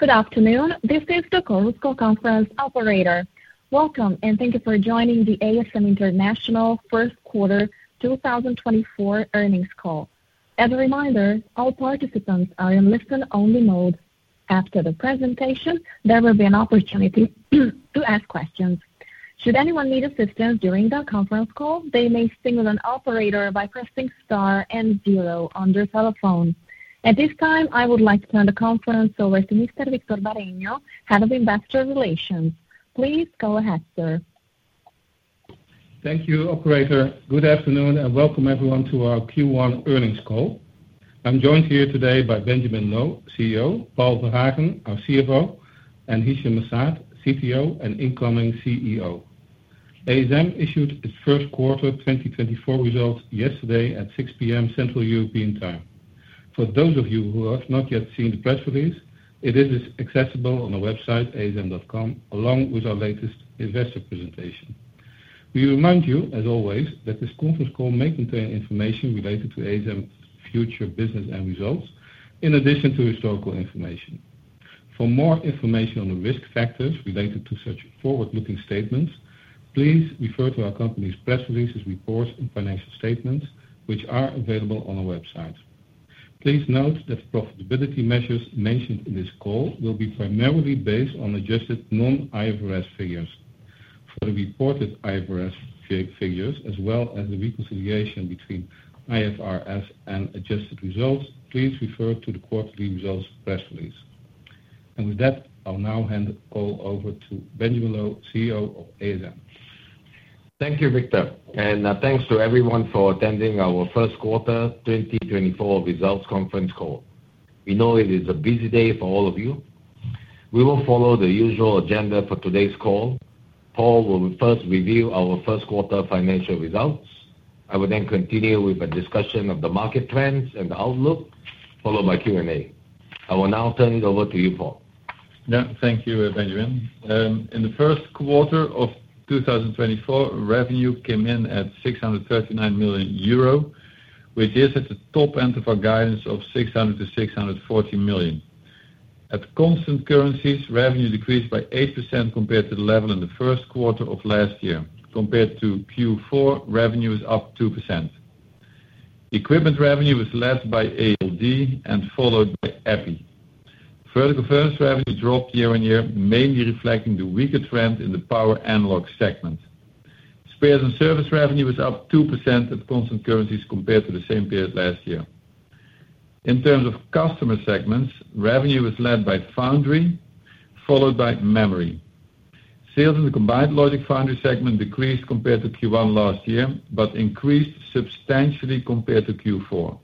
Good afternoon. This is the Chorus Call Conference operator. Welcome, and thank you for joining the ASM International first quarter 2024 earnings call. As a reminder, all participants are in listen-only mode. After the presentation, there will be an opportunity to ask questions. Should anyone need assistance during the conference call, they may signal an operator by pressing star and zero on their telephone. At this time, I would like to turn the conference over to Mr. Victor Bareño, Head of Investor Relations. Please go ahead, sir. Thank you, operator. Good afternoon, and welcome everyone to our Q1 earnings call. I'm joined here today by Benjamin Loh, CEO, Paul Verhagen, our CFO, and Hichem M'Saad, CTO and incoming CEO. ASM issued its first quarter 2024 results yesterday at 6:00 P.M. Central European Time. For those of you who have not yet seen the press release, it is accessible on our website, asm.com, along with our latest investor presentation. We remind you, as always, that this conference call may contain information related to ASM future business and results, in addition to historical information. For more information on the risk factors related to such forward-looking statements, please refer to our company's press releases, reports, and financial statements, which are available on our website. Please note that profitability measures mentioned in this call will be primarily based on adjusted non-IFRS figures. For the reported IFRS figures, as well as the reconciliation between IFRS and adjusted results, please refer to the quarterly results press release. With that, I'll now hand the call over to Benjamin Loh, CEO of ASM. Thank you, Victor, and thanks to everyone for attending our first quarter 2024 results conference call. We know it is a busy day for all of you. We will follow the usual agenda for today's call. Paul will first review our first quarter financial results. I will then continue with a discussion of the market trends and the outlook, followed by Q&A. I will now turn it over to you, Paul. Yeah. Thank you, Benjamin. In the first quarter of 2024, revenue came in at 639 million euro, which is at the top end of our guidance of 600 million-640 million. At constant currencies, revenue decreased by 8% compared to the level in the first quarter of last year. Compared to Q4, revenue is up 2%. Equipment revenue was led by ALD and followed by Epi. Vertical furnace revenue dropped year-on-year, mainly reflecting the weaker trend in the power analog segment. Spares and service revenue was up 2% at constant currencies compared to the same period last year. In terms of customer segments, revenue was led by foundry, followed by memory. Sales in the combined logic foundry segment decreased compared to Q1 last year, but increased substantially compared to Q4.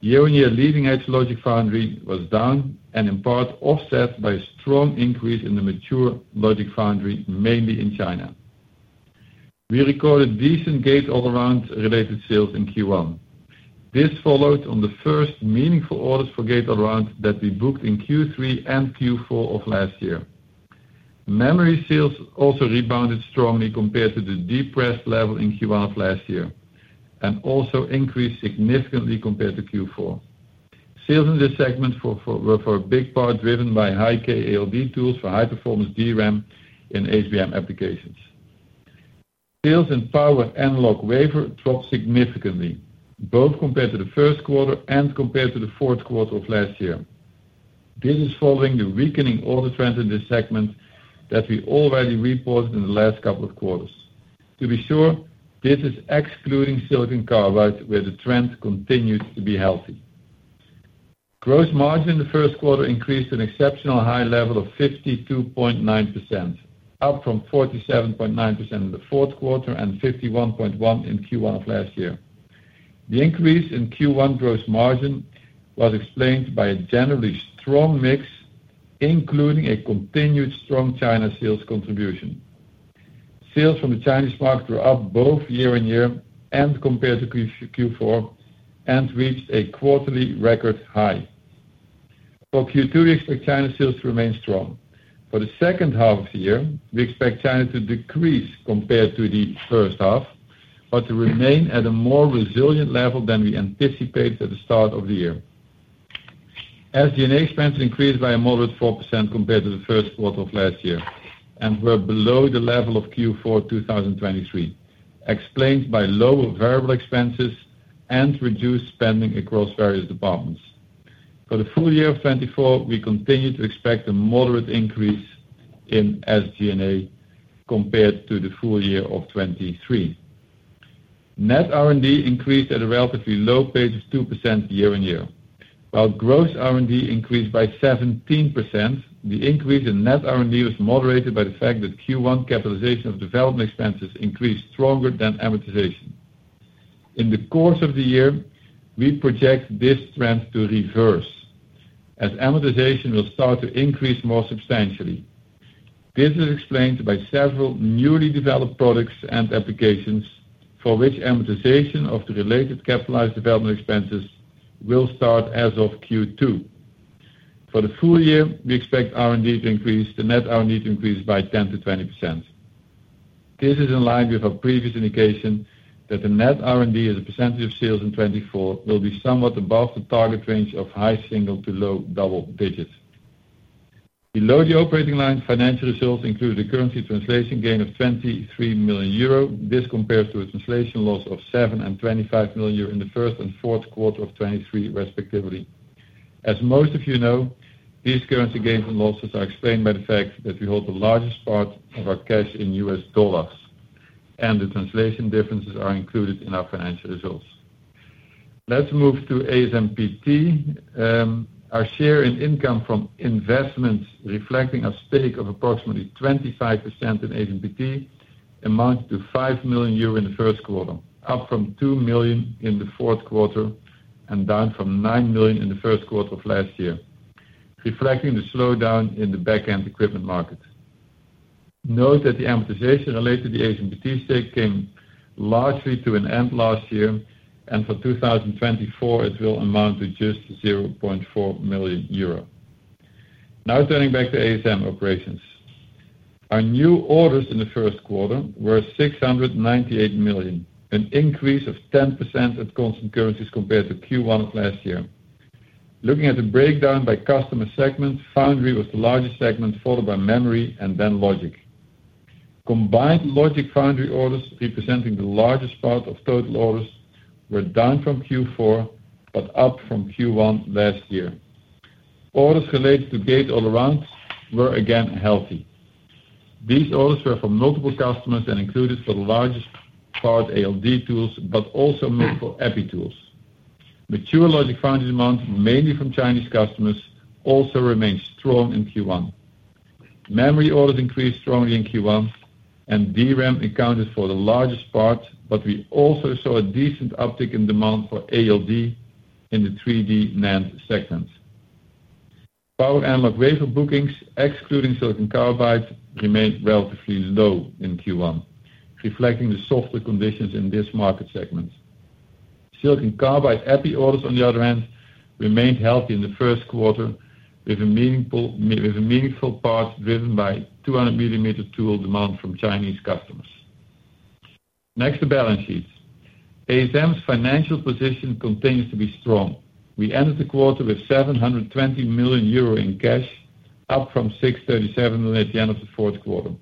Year-on-year leading-edge logic foundry was down and in part offset by a strong increase in the mature logic foundry, mainly in China. We recorded decent Gate-All-Around related sales in Q1. This followed on the first meaningful orders for Gate-All-Around that we booked in Q3 and Q4 of last year. Memory sales also rebounded strongly compared to the depressed level in Q1 of last year, and also increased significantly compared to Q4. Sales in this segment were for a big part, driven by High-K ALD tools for high-performance DRAM in HBM applications. Sales in power analog wafer dropped significantly, both compared to the first quarter and compared to the fourth quarter of last year. This is following the weakening order trends in this segment that we already reported in the last couple of quarters. To be sure, this is excluding silicon carbide, where the trend continues to be healthy. Gross margin in the first quarter increased to an exceptional high level of 52.9%, up from 47.9% in the fourth quarter and 51.1% in Q1 of last year. The increase in Q1 gross margin was explained by a generally strong mix, including a continued strong China sales contribution. Sales from the Chinese market are up both year-on-year and compared to Q4, and reached a quarterly record high. For Q2, we expect China sales to remain strong. For the second half of the year, we expect China to decrease compared to the first half, but to remain at a more resilient level than we anticipated at the start of the year. SG&A expenses increased by a moderate 4% compared to the first quarter of last year and were below the level of Q4 2023, explained by lower variable expenses and reduced spending across various departments. For the full year of 2024, we continue to expect a moderate increase in SG&A compared to the full year of 2023. Net R&D increased at a relatively low pace of 2% year on year. While gross R&D increased by 17%, the increase in net R&D was moderated by the fact that Q1 capitalization of development expenses increased stronger than amortization. In the course of the year, we project this trend to reverse, as amortization will start to increase more substantially. This is explained by several newly developed products and applications for which amortization of the related capitalized development expenses will start as of Q2. For the full year, we expect R&D to increase, the net R&D to increase by 10%-20%. This is in line with our previous indication that the net R&D as a percentage of sales in 2024 will be somewhat above the target range of high single to low double digits. Below the operating line, financial results include a currency translation gain of 23 million euro. This compares to a translation loss of 7 million and 25 million euro in the first and fourth quarter of 2023, respectively. As most of you know, these currency gains and losses are explained by the fact that we hold the largest part of our cash in US dollars, and the translation differences are included in our financial results. Let's move to ASMPT. Our share in income from investments, reflecting a stake of approximately 25% in ASMPT, amount to 5 million euro in the first quarter, up from 2 million in the fourth quarter and down from 9 million in the first quarter of last year, reflecting the slowdown in the back-end equipment market. Note that the amortization related to the ASMPT stake came largely to an end last year, and for 2024, it will amount to just 0.4 million euro. Now, turning back to ASM operations. Our new orders in the first quarter were 698 million, an increase of 10% at constant currencies compared to Q1 of last year. Looking at the breakdown by customer segment, foundry was the largest segment, followed by memory and then logic. Combined logic foundry orders, representing the largest part of total orders, were down from Q4, but up from Q1 last year. Orders related to Gate-All-Around were, again, healthy. These orders were from multiple customers and included, for the largest part, ALD tools, but also made for Epi tools. Mature logic foundry demand, mainly from Chinese customers, also remained strong in Q1. Memory orders increased strongly in Q1, and DRAM accounted for the largest part, but we also saw a decent uptick in demand for ALD in the 3D NAND segment. Power analog wafer bookings, excluding silicon carbide, remained relatively low in Q1, reflecting the softer conditions in this market segment. Silicon carbide Epi orders, on the other hand, remained healthy in the first quarter, with a meaningful, with a meaningful part driven by 200 mm tool demand from Chinese customers. Next, the balance sheets. ASM's financial position continues to be strong. We ended the quarter with 720 million euro in cash, up from 637 million at the end of the fourth quarter.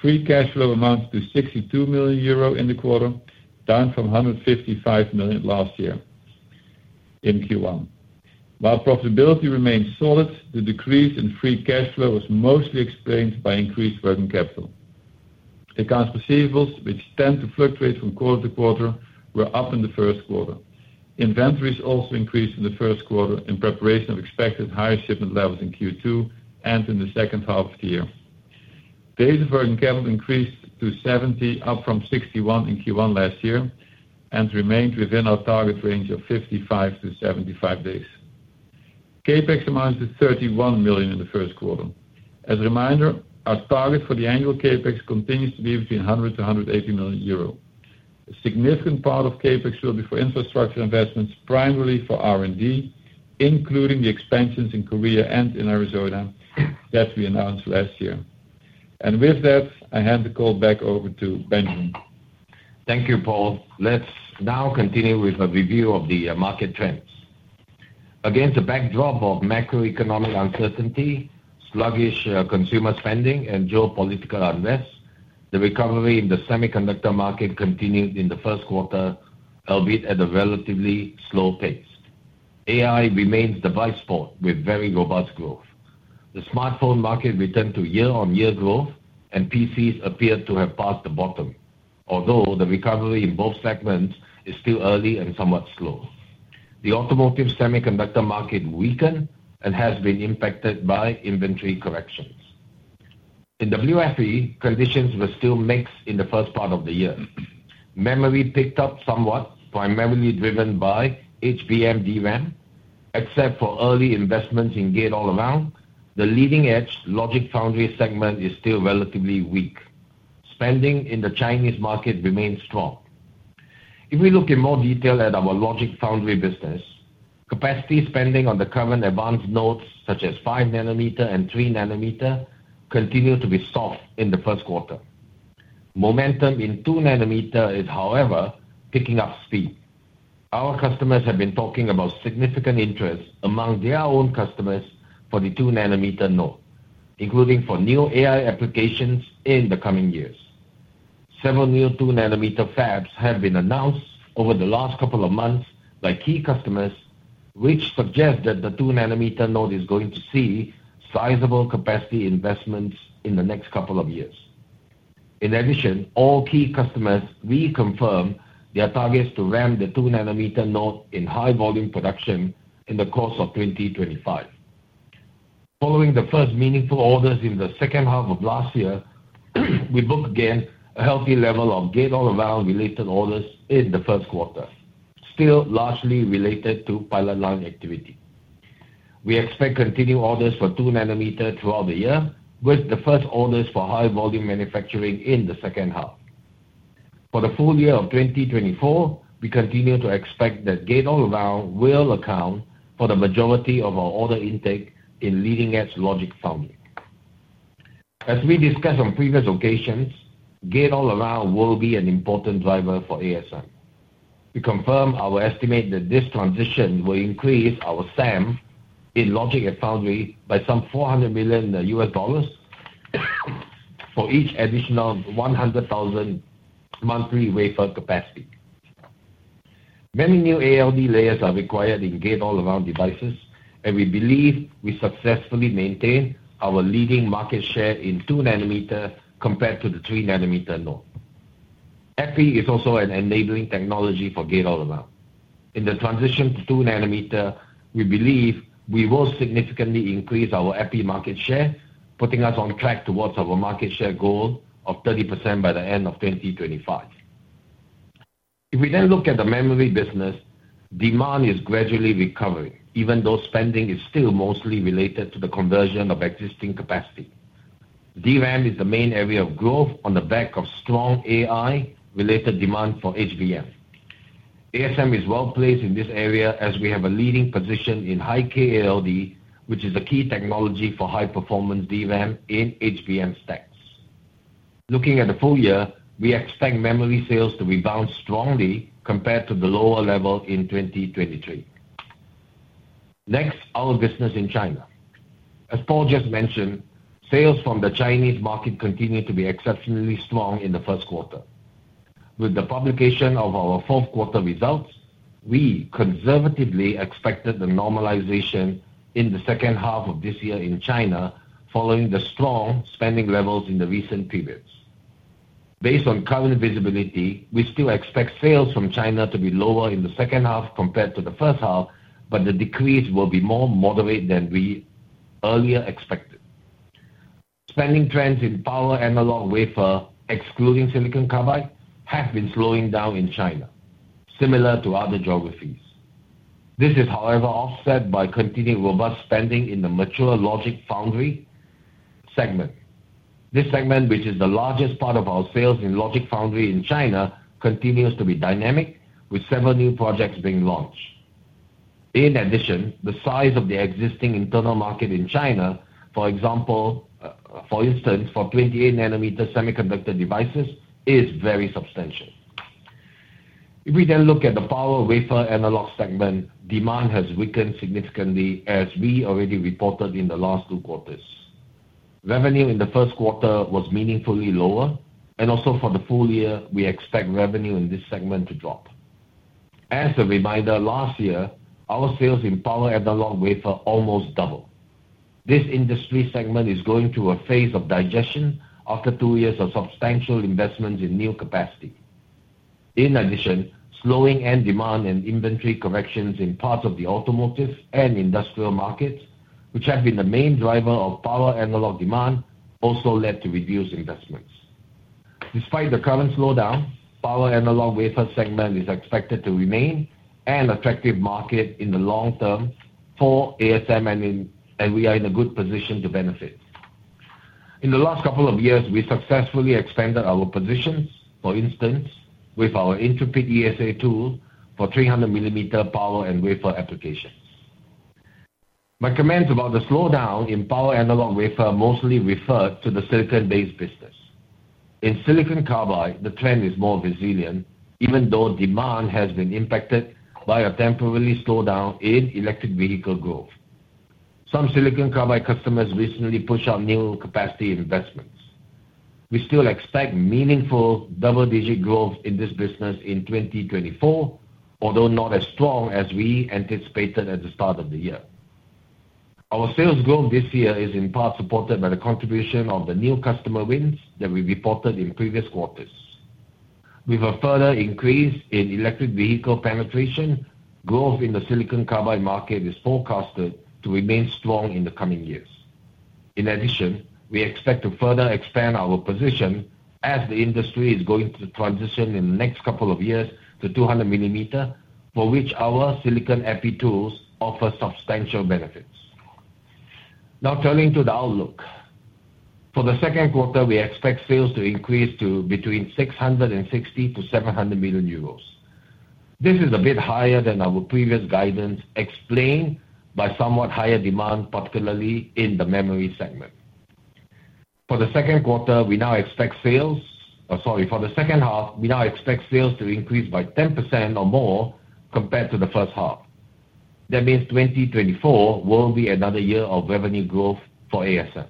Free cash flow amounts to 62 million euro in the quarter, down from 155 million last year in Q1. While profitability remains solid, the decrease in free cash flow was mostly explained by increased working capital. Accounts receivables, which tend to fluctuate from quarter to quarter, were up in the first quarter. Inventories also increased in the first quarter in preparation of expected higher shipment levels in Q2 and in the second half of the year. Days of working capital increased to 70, up from 61 in Q1 last year, and remained within our target range of 55-75 days. CapEx amounts to 31 million in the first quarter. As a reminder, our target for the annual CapEx continues to be between 100 million-180 million euro. A significant part of CapEx will be for infrastructure investments, primarily for R&D, including the expansions in Korea and in Arizona that we announced last year. With that, I hand the call back over to Benjamin. Thank you, Paul. Let's now continue with a review of the market trends. Against a backdrop of macroeconomic uncertainty, sluggish consumer spending, and geopolitical unrest, the recovery in the semiconductor market continued in the first quarter, albeit at a relatively slow pace. AI remains the bright spot, with very robust growth. The smartphone market returned to year-on-year growth, and PCs appear to have passed the bottom, although the recovery in both segments is still early and somewhat slow. The automotive semiconductor market weakened and has been impacted by inventory corrections. In WFE, conditions were still mixed in the first part of the year. Memory picked up somewhat, primarily driven by HBM DRAM. Except for early investments in Gate-All-Around, the leading-edge logic foundry segment is still relatively weak. Spending in the Chinese market remains strong. If we look in more detail at our logic foundry business, capacity spending on the current advanced nodes, such as 5 nm and 3 nm, continued to be soft in the first quarter. Momentum in 2 nm is, however, picking up speed. Our customers have been talking about significant interest among their own customers for the 2 nm node, including for new AI applications in the coming years. Several new 2 nm fabs have been announced over the last couple of months by key customers, which suggest that the 2 nm node is going to see sizable capacity investments in the next couple of years. In addition, all key customers reconfirm their targets to ramp the 2 nm node in high volume production in the course of 2025. Following the first meaningful orders in the second half of last year, we booked again a healthy level of Gate-All-Around related orders in the first quarter, still largely related to pilot line activity. We expect continued orders for 2 nm throughout the year, with the first orders for high volume manufacturing in the second half. For the full year of 2024, we continue to expect that Gate-All-Around will account for the majority of our order intake in leading-edge logic foundry. As we discussed on previous occasions, Gate-All-Around will be an important driver for ASM. We confirm our estimate that this transition will increase our SAM in logic and foundry by some $400 million, for each additional 100,000 monthly wafer capacity. Many new ALD layers are required in Gate-All-Around devices, and we believe we successfully maintain our leading market share in 2 nm compared to the 3 nm node. Epi is also an enabling technology for Gate-All-Around. In the transition to 2 nm, we believe we will significantly increase our Epi market share, putting us on track towards our market share goal of 30% by the end of 2025. If we then look at the memory business, demand is gradually recovering, even though spending is still mostly related to the conversion of existing capacity. DRAM is the main area of growth on the back of strong AI-related demand for HBM. ASM is well-placed in this area, as we have a leading position in High-K ALD, which is the key technology for high-performance DRAM in HBM stacks. Looking at the full year, we expect memory sales to rebound strongly compared to the lower level in 2023. Next, our business in China. As Paul just mentioned, sales from the Chinese market continue to be exceptionally strong in the first quarter. With the publication of our fourth quarter results, we conservatively expected the normalization in the second half of this year in China, following the strong spending levels in the recent periods. Based on current visibility, we still expect sales from China to be lower in the second half compared to the first half, but the decrease will be more moderate than we earlier expected. Spending trends in power analog wafer, excluding silicon carbide, have been slowing down in China, similar to other geographies. This is, however, offset by continuing robust spending in the mature logic foundry segment. This segment, which is the largest part of our sales in logic foundry in China, continues to be dynamic, with several new projects being launched. In addition, the size of the existing internal market in China, for example, for instance, for 28 nm semiconductor devices, is very substantial. If we then look at the power wafer analog segment, demand has weakened significantly, as we already reported in the last two quarters. Revenue in the first quarter was meaningfully lower, and also for the full year, we expect revenue in this segment to drop. As a reminder, last year, our sales in power analog wafer almost doubled. This industry segment is going through a phase of digestion after two years of substantial investments in new capacity. In addition, slowing end demand and inventory corrections in parts of the automotive and industrial markets, which have been the main driver of power analog demand, also led to reduced investments. Despite the current slowdown, power analog wafer segment is expected to remain an attractive market in the long term for ASM, and we are in a good position to benefit. In the last couple of years, we successfully expanded our positions, for instance, with our Intrepid ESA tool for 300 mm power and wafer applications. My comments about the slowdown in power analog wafer mostly refer to the silicon-based business. In silicon carbide, the trend is more resilient, even though demand has been impacted by a temporary slowdown in electric vehicle growth. Some silicon carbide customers recently pushed out new capacity investments. We still expect meaningful double-digit growth in this business in 2024, although not as strong as we anticipated at the start of the year. Our sales growth this year is in part supported by the contribution of the new customer wins that we reported in previous quarters. With a further increase in electric vehicle penetration, growth in the silicon carbide market is forecasted to remain strong in the coming years. In addition, we expect to further expand our position as the industry is going to transition in the next couple of years to 200 mm, for which our silicon Epi tools offer substantial benefits. Now turning to the outlook. For the second quarter, we expect sales to increase to between 660 million to 700 million euros. This is a bit higher than our previous guidance, explained by somewhat higher demand, particularly in the memory segment. For the second quarter, we now expect sales-- Oh, sorry. For the second half, we now expect sales to increase by 10% or more compared to the first half. That means 2024 will be another year of revenue growth for ASM.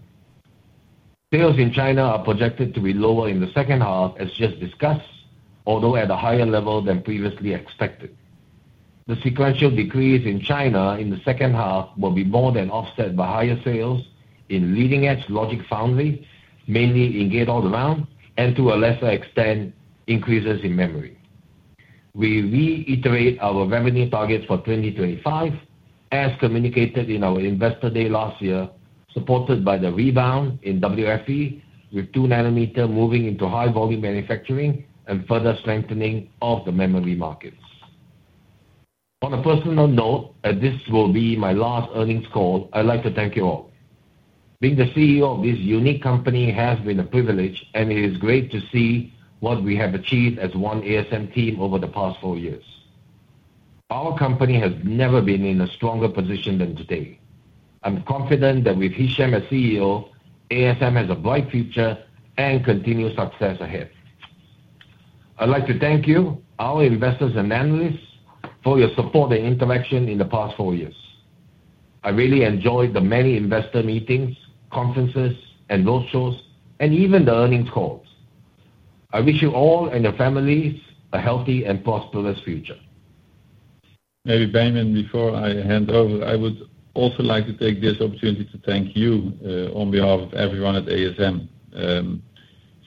Sales in China are projected to be lower in the second half, as just discussed, although at a higher level than previously expected. The sequential decrease in China in the second half will be more than offset by higher sales in leading-edge logic foundry, mainly in Gate-All-Around, and to a lesser extent, increases in memory. We reiterate our revenue targets for 2025, as communicated in our Investor Day last year, supported by the rebound in WFE, with 2 nm moving into high volume manufacturing and further strengthening of the memory markets. On a personal note, and this will be my last earnings call, I'd like to thank you all. Being the CEO of this unique company has been a privilege, and it is great to see what we have achieved as one ASM team over the past four years. Our company has never been in a stronger position than today. I'm confident that with Hichem as CEO, ASM has a bright future and continued success ahead. I'd like to thank you, our investors and analysts, for your support and interaction in the past four years. I really enjoyed the many investor meetings, conferences, and road shows, and even the earnings calls. I wish you all and your families a healthy and prosperous future. Maybe, Benjamin, before I hand over, I would also like to take this opportunity to thank you, on behalf of everyone at ASM.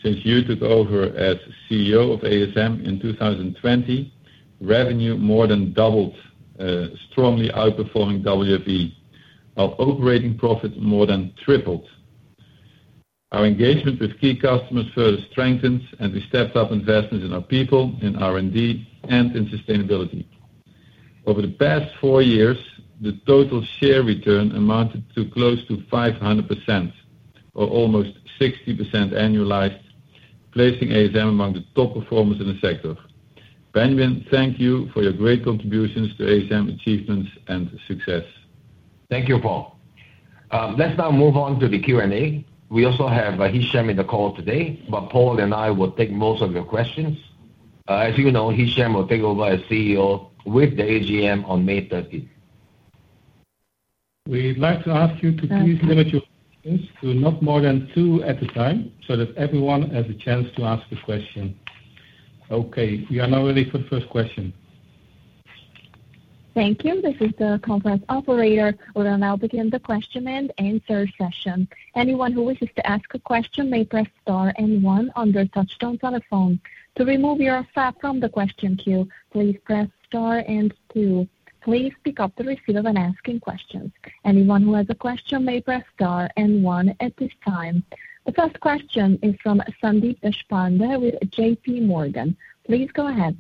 Since you took over as CEO of ASM in 2020, revenue more than doubled, strongly outperforming WFE, our operating profit more than tripled. Our engagement with key customers further strengthened, and we stepped up investments in our people, in R&D, and in sustainability. Over the past four years, the total share return amounted to close to 500%, or almost 60% annualized, placing ASM among the top performers in the sector. Benjamin, thank you for your great contributions to ASM achievements and success. Thank you, Paul. Let's now move on to the Q&A. We also have Hichem in the call today, but Paul and I will take most of your questions. As you know, Hichem will take over as CEO with the AGM on May 13. We'd like to ask you to please limit your questions to not more than two at a time, so that everyone has a chance to ask a question. Okay, we are now ready for the first question. Thank you. This is the conference operator. We will now begin the question and answer session. Anyone who wishes to ask a question may press star and one on their touchtone telephone. To remove yourself from the question queue, please press star and two. Please pick up the receiver when asking questions. Anyone who has a question may press star and one at this time. The first question is from Sandeep Deshpande with JPMorgan. Please go ahead.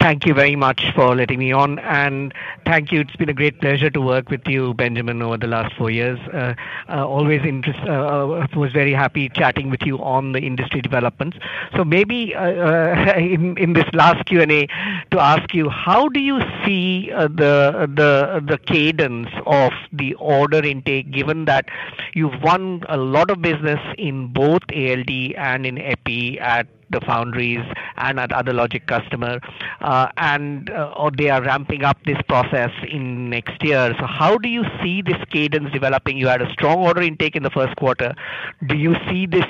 Thank you very much for letting me on, and thank you. It's been a great pleasure to work with you, Benjamin, over the last four years. Always interesting. I was very happy chatting with you on the industry developments. So maybe, in this last Q&A, to ask you, how do you see the cadence of the order intake, given that you've won a lot of business in both ALD and in Epi at the foundries and at other logic customers and they are ramping up this process in next year. So how do you see this cadence developing? You had a strong order intake in the first quarter. Do you see this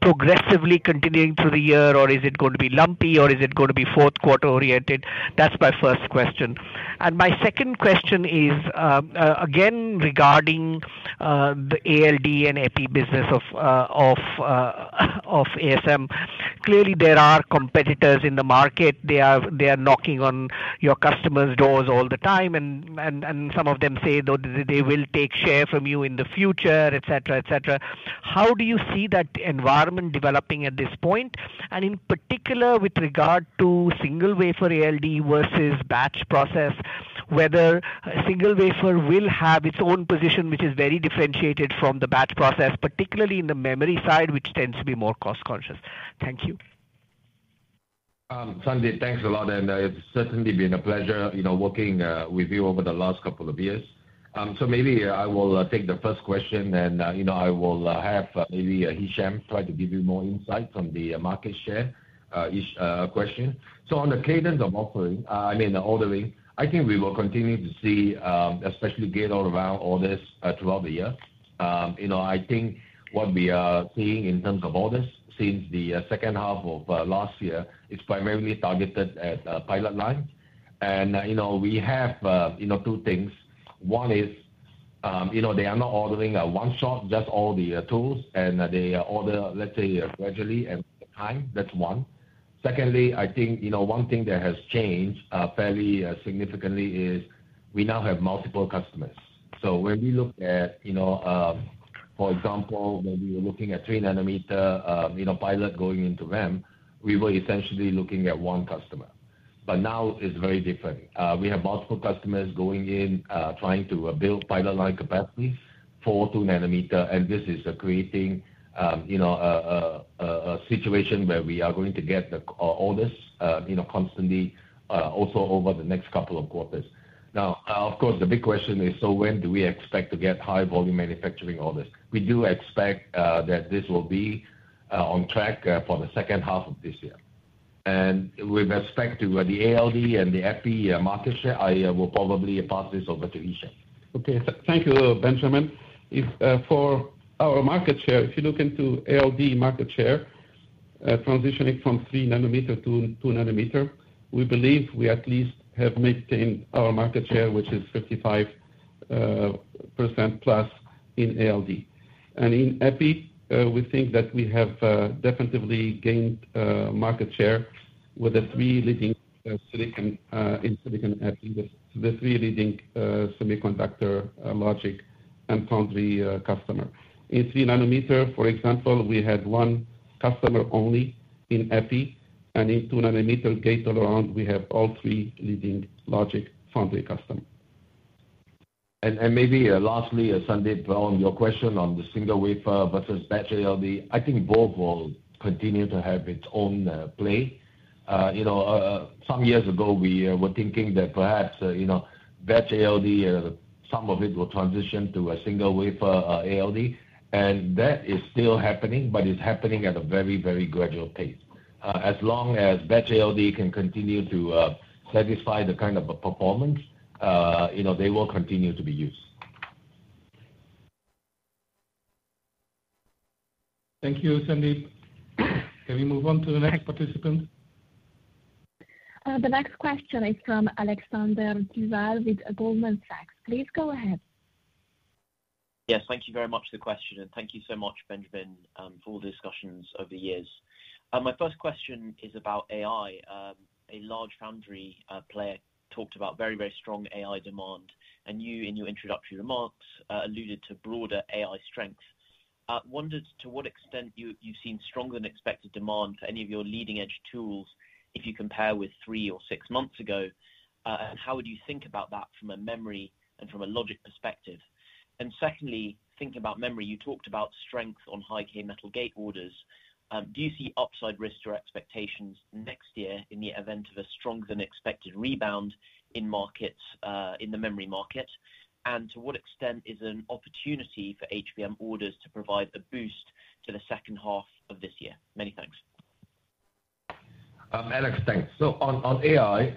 progressively continuing through the year, or is it going to be lumpy, or is it going to be fourth quarter-oriented? That's my first question. My second question is, again, regarding the ALD and Epi business of ASM. Clearly, there are competitors in the market. They are knocking on your customers' doors all the time, and some of them say that they will take share from you in the future, et cetera, et cetera. How do you see that environment developing at this point? And in particular, with regard to single wafer ALD versus batch process, whether a single wafer will have its own position, which is very differentiated from the batch process, particularly in the memory side, which tends to be more cost conscious. Thank you. Sandeep, thanks a lot, and it's certainly been a pleasure, you know, working with you over the last couple of years. So maybe I will take the first question, and you know, I will have maybe Hichem try to give you more insight from the market share question. So on the cadence of offering, I mean, the ordering, I think we will continue to see especially GAA orders throughout the year. You know, I think what we are seeing in terms of orders since the second half of last year is primarily targeted at pilot line. And you know, we have you know two things. One is, you know, they are not ordering a one-stop, just all the tools, and they order, let's say, gradually and over time. That's one. Secondly, I think, you know, one thing that has changed fairly significantly is we now have multiple customers. So when we look at, you know, for example, when we were looking at 3 nm, you know, pilot going into RAM, we were essentially looking at one customer, but now it's very different. We have multiple customers going in, trying to build pilot line capacities for 2 nm, and this is creating, you know, a situation where we are going to get the orders, you know, constantly also over the next couple of quarters. Now, of course, the big question is: So when do we expect to get high volume manufacturing orders? We do expect that this will be on track for the second half of this year. With respect to the ALD and the Epi market share, I will probably pass this over to Hichem. Okay, thank you, Benjamin. If, for our market share, if you look into ALD market share, transitioning from 3 nm to 2 nm, we believe we at least have maintained our market share, which is 55% plus in ALD. And in Epi, we think that we have definitively gained market share with the three leading silicon in silicon Epi, the three leading semiconductor logic and foundry customer. In 3 nm, for example, we had one customer only in Epi, and in 2 nm Gate-All-Around, we have all 3 leading logic foundry customer. Maybe, lastly, as Sandeep, on your question on the single wafer versus batch ALD, I think both will continue to have its own play. You know, some years ago we were thinking that perhaps, you know, batch ALD, some of it will transition to a single wafer ALD, and that is still happening, but it's happening at a very, very gradual pace. As long as batch ALD can continue to satisfy the kind of a performance, you know, they will continue to be used. Thank you, Sandeep. Can we move on to the next participant? The next question is from Alexander Duval with Goldman Sachs. Please go ahead. Yes, thank you very much for the question, and thank you so much, Benjamin, for all the discussions over the years. My first question is about AI. A large foundry player talked about very, very strong AI demand, and you, in your introductory remarks, alluded to broader AI strength. Wondered to what extent you, you've seen stronger than expected demand for any of your leading-edge tools if you compare with three or six months ago? And how would you think about that from a memory and from a logic perspective? And secondly, thinking about memory, you talked about strength on High-K Metal Gate orders. Do you see upside risks to our expectations next year in the event of a stronger-than-expected rebound in markets, in the memory market? To what extent is an opportunity for HBM orders to provide a boost to the second half of this year? Many thanks. Alex, thanks. So on AI,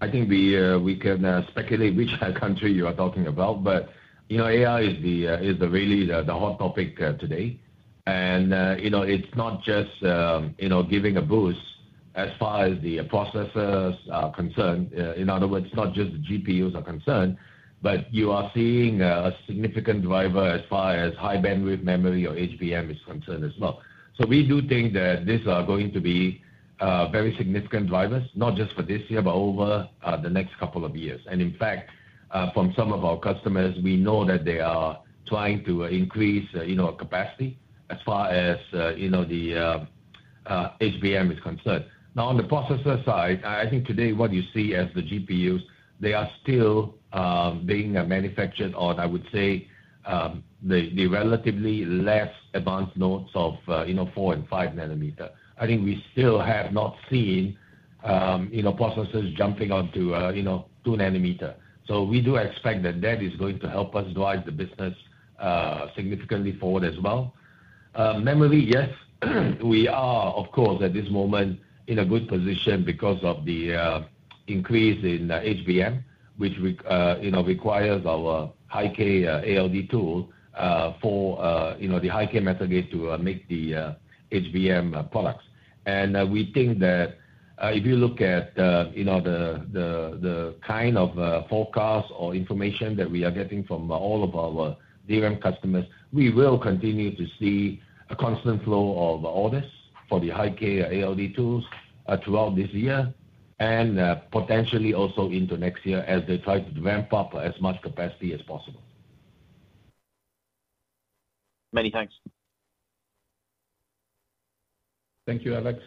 I think we can speculate which country you are talking about, but you know, AI is really the hot topic today. And you know, it's not just giving a boost as far as the processors are concerned. In other words, not just the GPUs are concerned, but you are seeing a significant driver as far as high bandwidth memory or HBM is concerned as well. So we do think that these are going to be very significant drivers, not just for this year, but over the next couple of years. And in fact, from some of our customers, we know that they are trying to increase you know, capacity as far as you know, the HBM is concerned. Now, on the processor side, I think today what you see as the GPUs, they are still being manufactured, or I would say, the relatively less advanced nodes of, you know, 4 nm and 5 nm. I think we still have not seen, you know, processors jumping onto, you know, 2 nm. So we do expect that that is going to help us drive the business significantly forward as well. Memory, yes, we are, of course, at this moment in a good position because of the increase in the HBM, which we, you know, requires our High-K ALD tool, for, you know, the High-K Metal Gate to make the HBM products. We think that, if you look at, you know, the kind of forecast or information that we are getting from all of our DRAM customers, we will continue to see a constant flow of orders for the High-K ALD tools throughout this year and potentially also into next year as they try to ramp up as much capacity as possible. Many thanks. Thank you, Alex.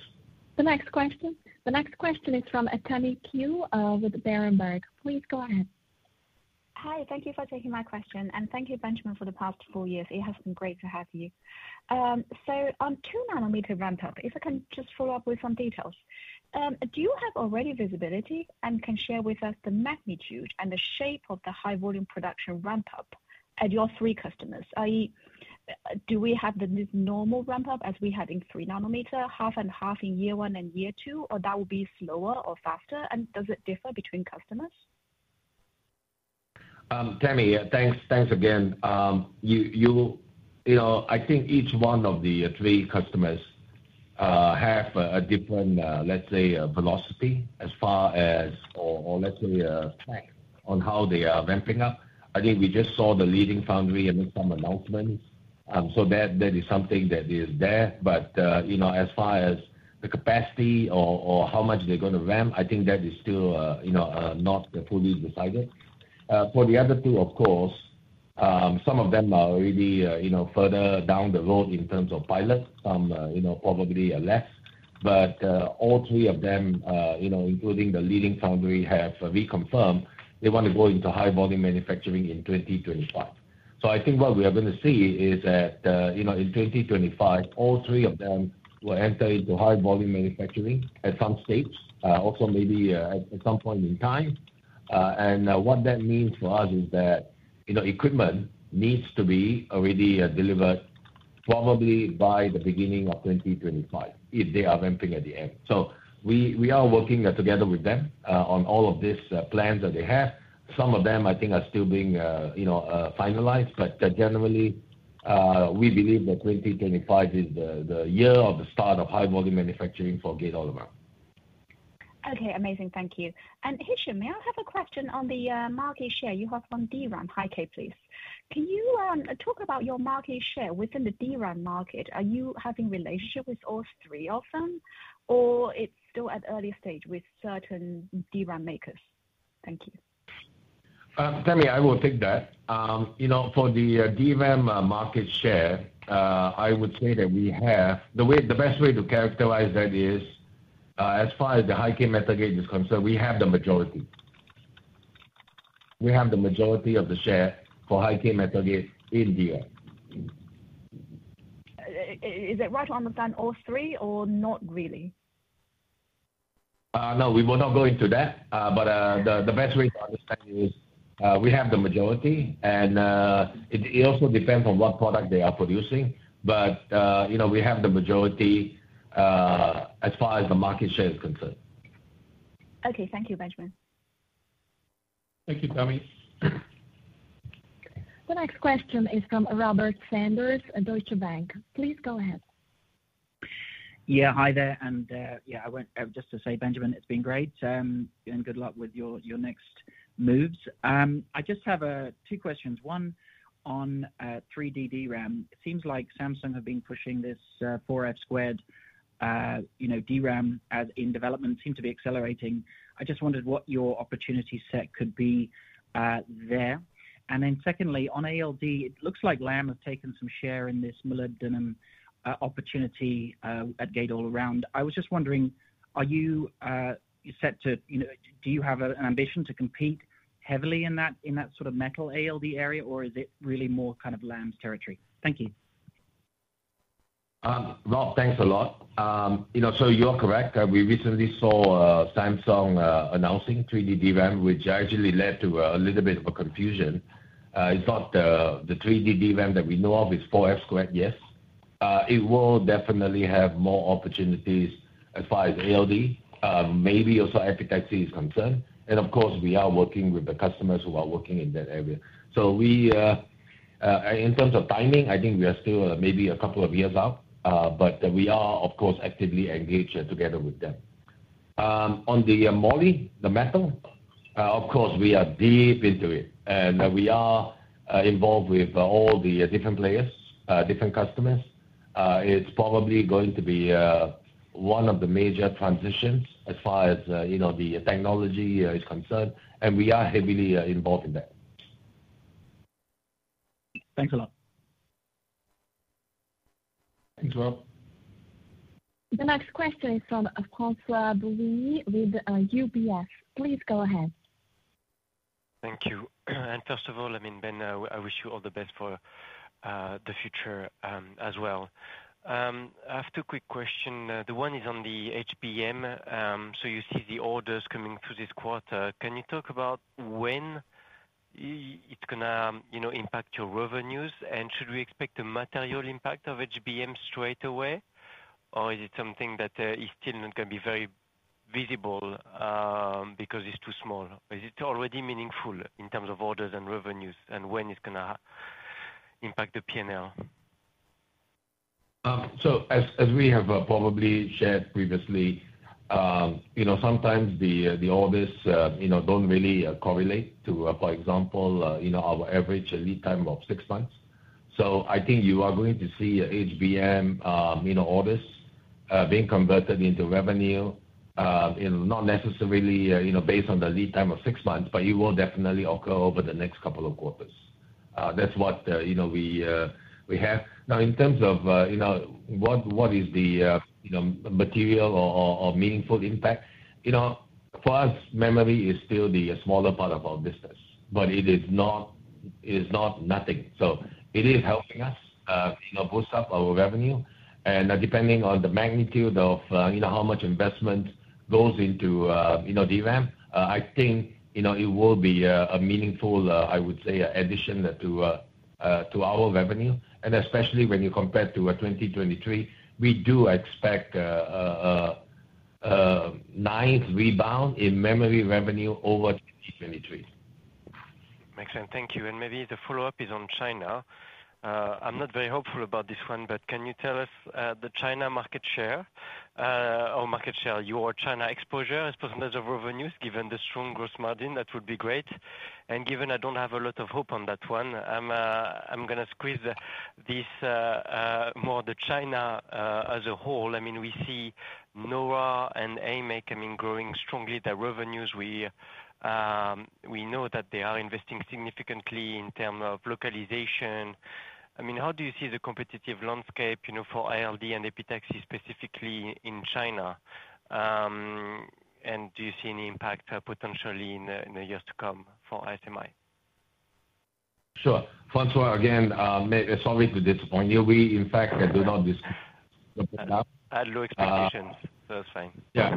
The next question, the next question is from Tammy Qiu, with the Berenberg. Please go ahead. Hi, thank you for taking my question, and thank you, Benjamin, for the past four years. It has been great to have you. So on 2-nm ramp-up, if I can just follow up with some details. Do you have already visibility and can share with us the magnitude and the shape of the high-volume production ramp-up at your three customers? Do we have the normal ramp-up as we had in 3 nm, half and half in year one and year two, or that will be slower or faster, and does it differ between customers? Tammy, thanks, thanks again. You know, I think each one of the three customers have a different, let's say, velocity as far as, or, let's say, track on how they are ramping up. I think we just saw the leading foundry and then some announcements, so that is something that is there. But you know, as far as the capacity or how much they're gonna ramp, I think that is still you know not fully decided. For the other two, of course, some of them are already you know further down the road in terms of pilot. Some you know probably are less. But all three of them you know including the leading foundry have reconfirmed they want to go into high-volume manufacturing in 2025. So I think what we are gonna see is that, you know, in 2025, all three of them will enter into high-volume manufacturing at some stage, also maybe, at some point in time. And what that means for us is that, you know, equipment needs to be already delivered probably by the beginning of 2025, if they are ramping at the end. So we are working together with them on all of these plans that they have. Some of them, I think, are still being, you know, finalized, but generally, we believe that 2025 is the year of the start of high-volume manufacturing for Gate-All-Around. Okay, amazing. Thank you. And Hichem, may I have a question on the market share you have from DRAM, High-K, please? Can you talk about your market share within the DRAM market? Are you having relationship with all three of them, or it's still at early stage with certain DRAM makers? Thank you. Tammy, I will take that. You know, for the DRAM market share, I would say that we have, the way, the best way to characterize that is, as far as the High-K Metal Gate is concerned, we have the majority. We have the majority of the share for High-K Metal Gate in DRAM. Is it right to understand all three or not really? No, we will not go into that. But the best way to understand is, we have the majority, and it also depends on what product they are producing. But you know, we have the majority as far as the market share is concerned. Okay. Thank you, Benjamin. Thank you, Tammy. The next question is from Robert Sanders at Deutsche Bank. Please go ahead. Yeah, hi there. And, yeah, I want just to say, Benjamin, it's been great, and good luck with your, your next moves. I just have two questions. One on 3D DRAM. It seems like Samsung have been pushing this 4F², you know, DRAM, as in development, seem to be accelerating. I just wondered what your opportunity set could be there. And then secondly, on ALD, it looks like Lam have taken some share in this molybdenum opportunity at Gate-All-Around. I was just wondering, are you set to, you know, do you have an ambition to compete heavily in that, in that sort of metal ALD area, or is it really more kind of Lam's territory? Thank you. Rob, thanks a lot. You know, so you're correct. We recently saw Samsung announcing 3D DRAM, which actually led to a little bit of a confusion. It's not the 3D DRAM that we know of, it's 4F², yes. It will definitely have more opportunities as far as ALD, maybe also epitaxy is concerned, and of course, we are working with the customers who are working in that area. So we in terms of timing, I think we are still maybe a couple of years out, but we are, of course, actively engaged together with them. On the moly, the metal, of course, we are deep into it, and we are involved with all the different players, different customers. It's probably going to be one of the major transitions as far as, you know, the technology is concerned, and we are heavily involved in that. Thanks a lot. Thanks, Rob. The next question is from Francois Bouvignies with UBS. Please go ahead. Thank you. First of all, I mean, Ben, I wish you all the best for the future as well. I have two quick questions. The one is on the HBM. So you see the orders coming through this quarter. Can you talk about when it's gonna, you know, impact your revenues? And should we expect a material impact of HBM straight away, or is it something that is still not gonna be very visible because it's too small? Is it already meaningful in terms of orders and revenues, and when it's gonna impact the P&L? So as we have probably shared previously, you know, sometimes the orders, you know, don't really correlate to, for example, you know, our average lead time of six months. So I think you are going to see HBM, you know, orders being converted into revenue, and not necessarily, you know, based on the lead time of six months, but it will definitely occur over the next couple of quarters. That's what, you know, we have. Now, in terms of, you know, what is the, you know, material or meaningful impact, you know, for us, memory is still the smaller part of our business, but it is not, it is not nothing. So it is helping us, you know, boost up our revenue. Depending on the magnitude of, you know, how much investment goes into, you know, DRAM, I think, you know, it will be a, a meaningful, I would say, addition to, to our revenue, and especially when you compare to, 2023, we do expect, a nice rebound in memory revenue over 2023. Makes sense. Thank you. And maybe the follow-up is on China. I'm not very hopeful about this one, but can you tell us, the China market share, or market share, your China exposure as percentage of revenues, given the strong gross margin? That would be great. And given I don't have a lot of hope on that one, I'm gonna squeeze this, more the China, as a whole. I mean, we see NAURA and AMEC, I mean, growing strongly their revenues. We know that they are investing significantly in terms of localization. I mean, how do you see the competitive landscape, you know, for ALD and epitaxy, specifically in China? And do you see any impact potentially in, in the years to come for ASM? Sure. Francois, again, sorry to disappoint you. We, in fact, do not dis- I had low expectations. So it's fine. Yeah.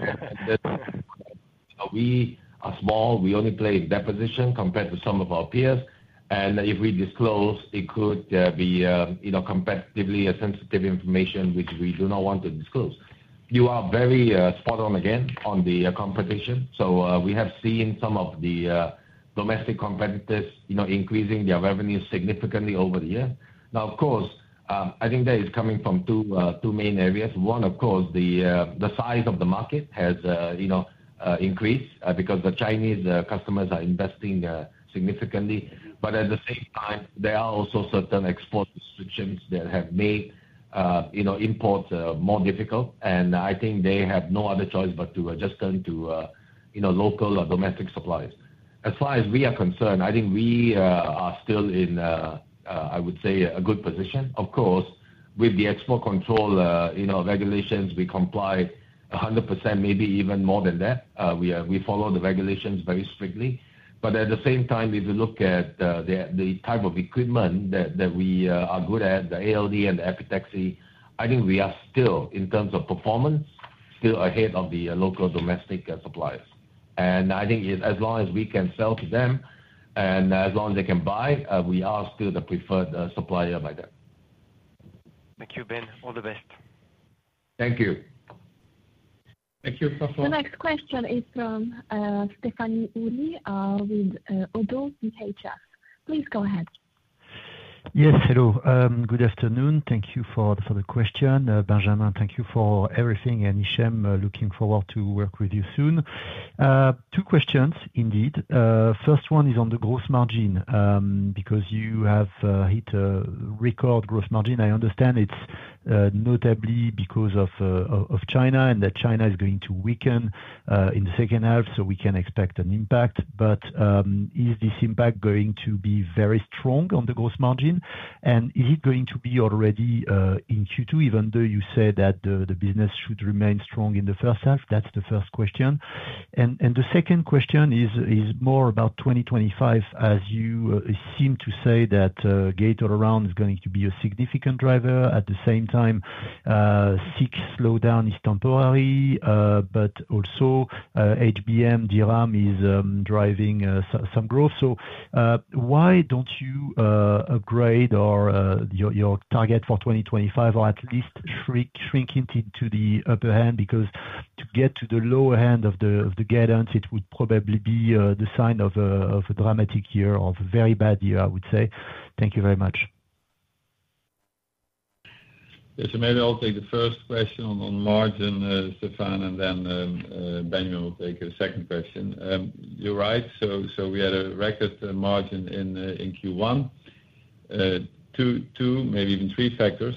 We are small. We only play deposition compared to some of our peers, and if we disclose, it could, be, you know, competitively a sensitive information, which we do not want to disclose. You are very, spot on again on the, competition. So, we have seen some of the, domestic competitors, you know, increasing their revenues significantly over the year. Now, of course, I think that is coming from two, two main areas. One, of course, the, the size of the market has, you know, increased, because the Chinese, customers are investing, significantly. But at the same time, there are also certain export restrictions that have made imports more difficult, and I think they have no other choice but to, just turn to, you know, local or domestic suppliers. As far as we are concerned, I think we are still in a, I would say, a good position. Of course, with the export control, you know, regulations, we comply 100%, maybe even more than that. We follow the regulations very strictly, but at the same time, if you look at the type of equipment that we are good at, the ALD and the epitaxy, I think we are still, in terms of performance, still ahead of the local domestic suppliers. And I think as long as we can sell to them and as long as they can buy, we are still the preferred supplier by them. Thank you, Ben. All the best. Thank you. Thank you. The next question is from Stéphane Houri, with Oddo BHF. Please go ahead. Yes, hello. Good afternoon. Thank you for the further question. Benjamin, thank you for everything, and Hichem, looking forward to work with you soon. Two questions indeed. First one is on the gross margin, because you have hit a record gross margin. I understand it's notably because of China, and that China is going to weaken in the second half, so we can expect an impact. But, is this impact going to be very strong on the gross margin? And is it going to be already in Q2, even though you said that the business should remain strong in the first half? That's the first question. And the second question is more about 2025, as you seem to say that Gate-All-Around is going to be a significant driver. At the same time, SiC's slowdown is temporary, but also, HBM DRAM is driving some growth. So, why don't you upgrade or your target for 2025, or at least shrink it into the upper half? Because to get to the lower half of the guidance, it would probably be the sign of a dramatic year, of a very bad year, I would say. Thank you very much. Yes, so maybe I'll take the first question on margin, Stéphane, and then Benjamin will take the second question. You're right, so we had a record margin in Q1. Two, maybe even three factors.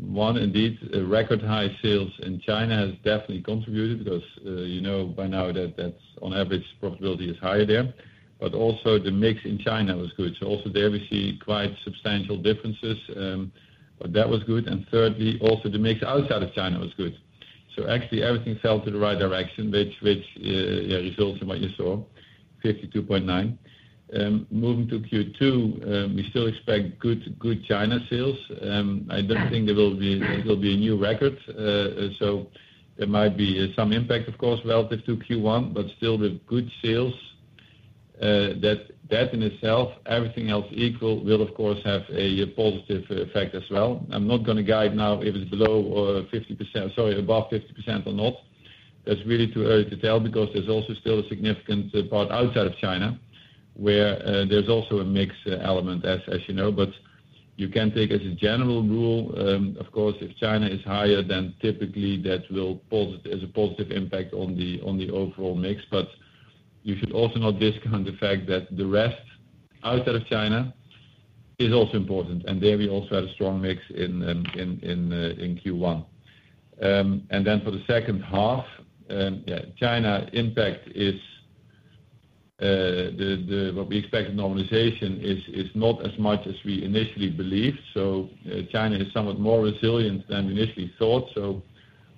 One, indeed, a record high sales in China has definitely contributed because you know by now that that's on average, profitability is higher there, but also the mix in China was good. So also there we see quite substantial differences, but that was good. And thirdly, also the mix outside of China was good. So actually everything fell to the right direction, which results in what you saw, 52.9%. Moving to Q2, we still expect good China sales. I don't think there will be a new record, so there might be some impact, of course, relative to Q1, but still with good sales. That in itself, everything else equal, will of course have a positive effect as well. I'm not gonna guide now if it's below or 50%, sorry, above 50% or not. That's really too early to tell because there's also still a significant part outside of China, where, there's also a mix element, as you know. But you can take as a general rule, of course, if China is higher, then typically that will positively as a positive impact on the, on the overall mix. But you should also not discount the fact that the rest, outside of China, is also important. And there we also had a strong mix in Q1. For the second half, yeah, China impact is what we expect normalization is not as much as we initially believed. So China is somewhat more resilient than initially thought. So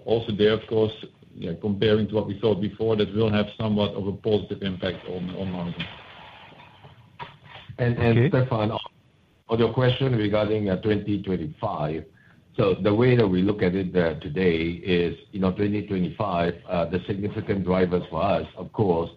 also there, of course, yeah, comparing to what we thought before, that will have somewhat of a positive impact on margin. And, and- Okay. Stéphane, on your question regarding 2025. So the way that we look at it, today is, you know, 2025, the significant drivers for us, of course,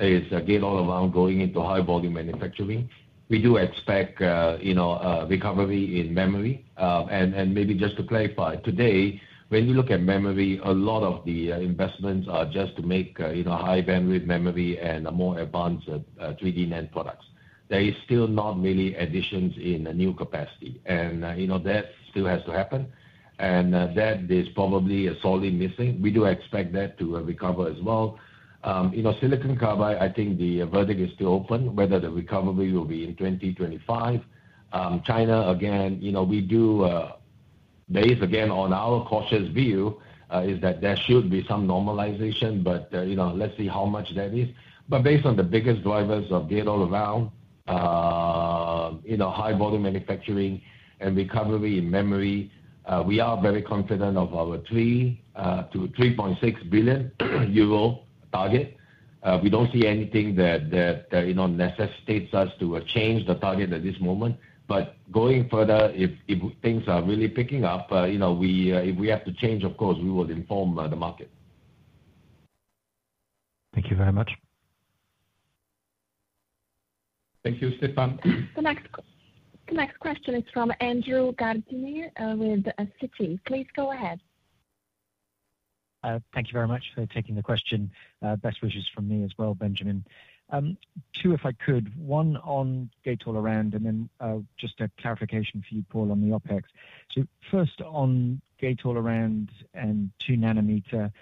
is again, all around going into high volume manufacturing. We do expect, you know, a recovery in memory. And, and maybe just to clarify, today, when you look at memory, a lot of the investments are just to make, you know, high bandwidth memory and a more advanced 3D NAND products. There is still not really additions in a new capacity, and, you know, that still has to happen, and, that is probably a solidly missing. We do expect that to recover as well. You know, silicon carbide, I think the verdict is still open, whether the recovery will be in 2025. China, again, you know, we do base, again, on our cautious view, is that there should be some normalization, but, you know, let's see how much that is. But based on the biggest drivers of being all around, you know, high volume manufacturing and recovery in memory, we are very confident of our 3-3.6 billion euro target. We don't see anything that, you know, necessitates us to change the target at this moment. But going further, if things are really picking up, you know, we, if we have to change, of course, we will inform the market. Thank you very much. Thank you, Stéphane. The next question is from Andrew Gardiner, with Citi. Please go ahead. Thank you very much for taking the question. Best wishes from me as well, Benjamin. Two, if I could, one on Gate-All-Around, and then just a clarification for you, Paul, on the OpEx. So first, on Gate-All-Around and 2 nm,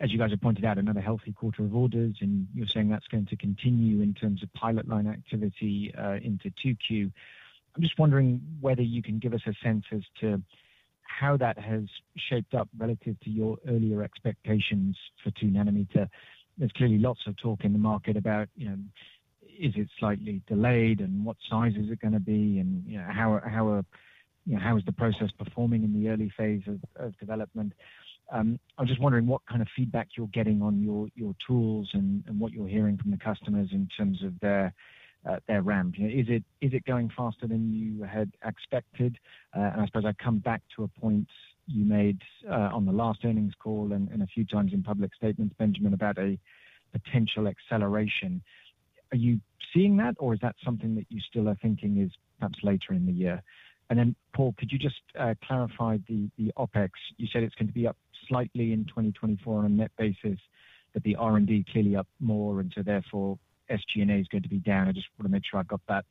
as you guys have pointed out, another healthy quarter of orders, and you're saying that's going to continue in terms of pilot line activity into 2Q. I'm just wondering whether you can give us a sense as to how that has shaped up relative to your earlier expectations for 2 nm. There's clearly lots of talk in the market about, you know, is it slightly delayed, and what size is it gonna be, and, you know, how, how, you know, how is the process performing in the early phase of development? I'm just wondering what kind of feedback you're getting on your, your tools and, and what you're hearing from the customers in terms of their, their ramp. Is it, is it going faster than you had expected? And I suppose I come back to a point you made, on the last earnings call and, and a few times in public statements, Benjamin, about a potential acceleration. Are you seeing that, or is that something that you still are thinking is perhaps later in the year? And then, Paul, could you just, clarify the, the OpEx? You said it's going to be up slightly in 2024 on a net basis, but the R&D clearly up more, and so therefore, SG&A is going to be down. I just want to make sure I got that,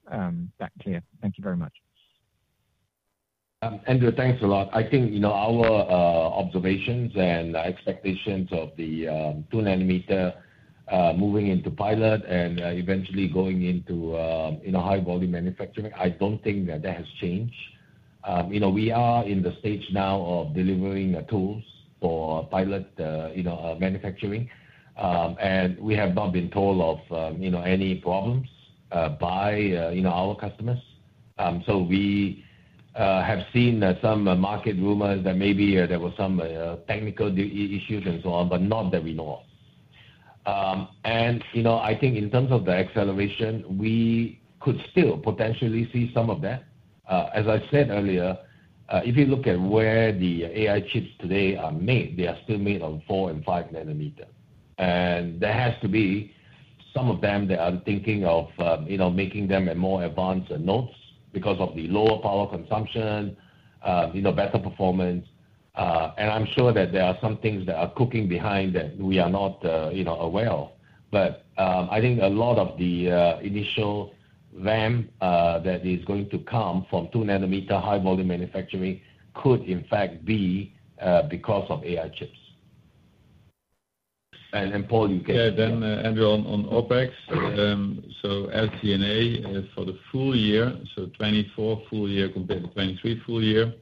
that clear. Thank you very much. Andrew, thanks a lot. I think, you know, our observations and expectations of the 2 nm moving into pilot and eventually going into, you know, high volume manufacturing, I don't think that that has changed. You know, we are in the stage now of delivering the tools for pilot, you know, manufacturing. And we have not been told of, you know, any problems by, you know, our customers. So we have seen some market rumors that maybe there were some technical issues and so on, but not that we know of. And, you know, I think in terms of the acceleration, we could still potentially see some of that. As I said earlier, if you look at where the AI chips today are made, they are still made on 4 and 5 nm. There has to be some of them that are thinking of, you know, making them at more advanced nodes because of the lower power consumption, you know, better performance. And I'm sure that there are some things that are cooking behind that we are not, you know, aware of. But I think a lot of the initial RAM that is going to come from 2 nm high-volume manufacturing could in fact be because of AI chips. And then, Paul, you can- Yeah, then, Andrew, on OpEx. So SG&A for the full year, so 2024 full year compared to 2023 full year,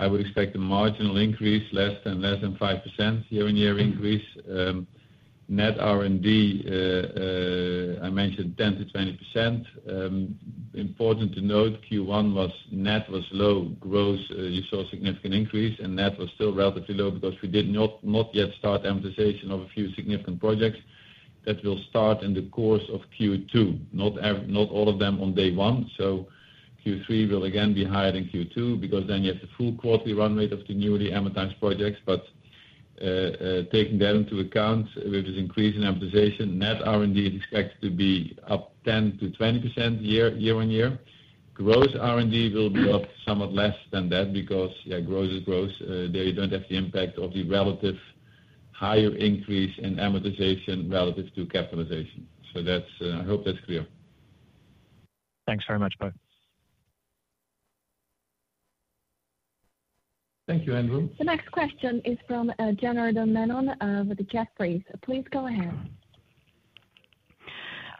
I would expect a marginal increase, less than 5% year-on-year increase. Net R&D, I mentioned 10%-20%. Important to note, Q1 was net low growth. You saw a significant increase, and net was still relatively low because we did not yet start the amortization of a few significant projects. That will start in the course of Q2, not all of them on day one. So Q3 will again be higher than Q2 because then you have the full quarterly run rate of the newly amortized projects. But, taking that into account, with this increase in amortization, net R&D is expected to be up 10%-20% year-on-year. Gross R&D will be up somewhat less than that because, yeah, gross is gross. They don't have the impact of the relative higher increase in amortization relative to capitalization. So that's... I hope that's clear. Thanks very much, Paul. Thank you, Andrew. The next question is from Janardan Menon of Jefferies. Please go ahead.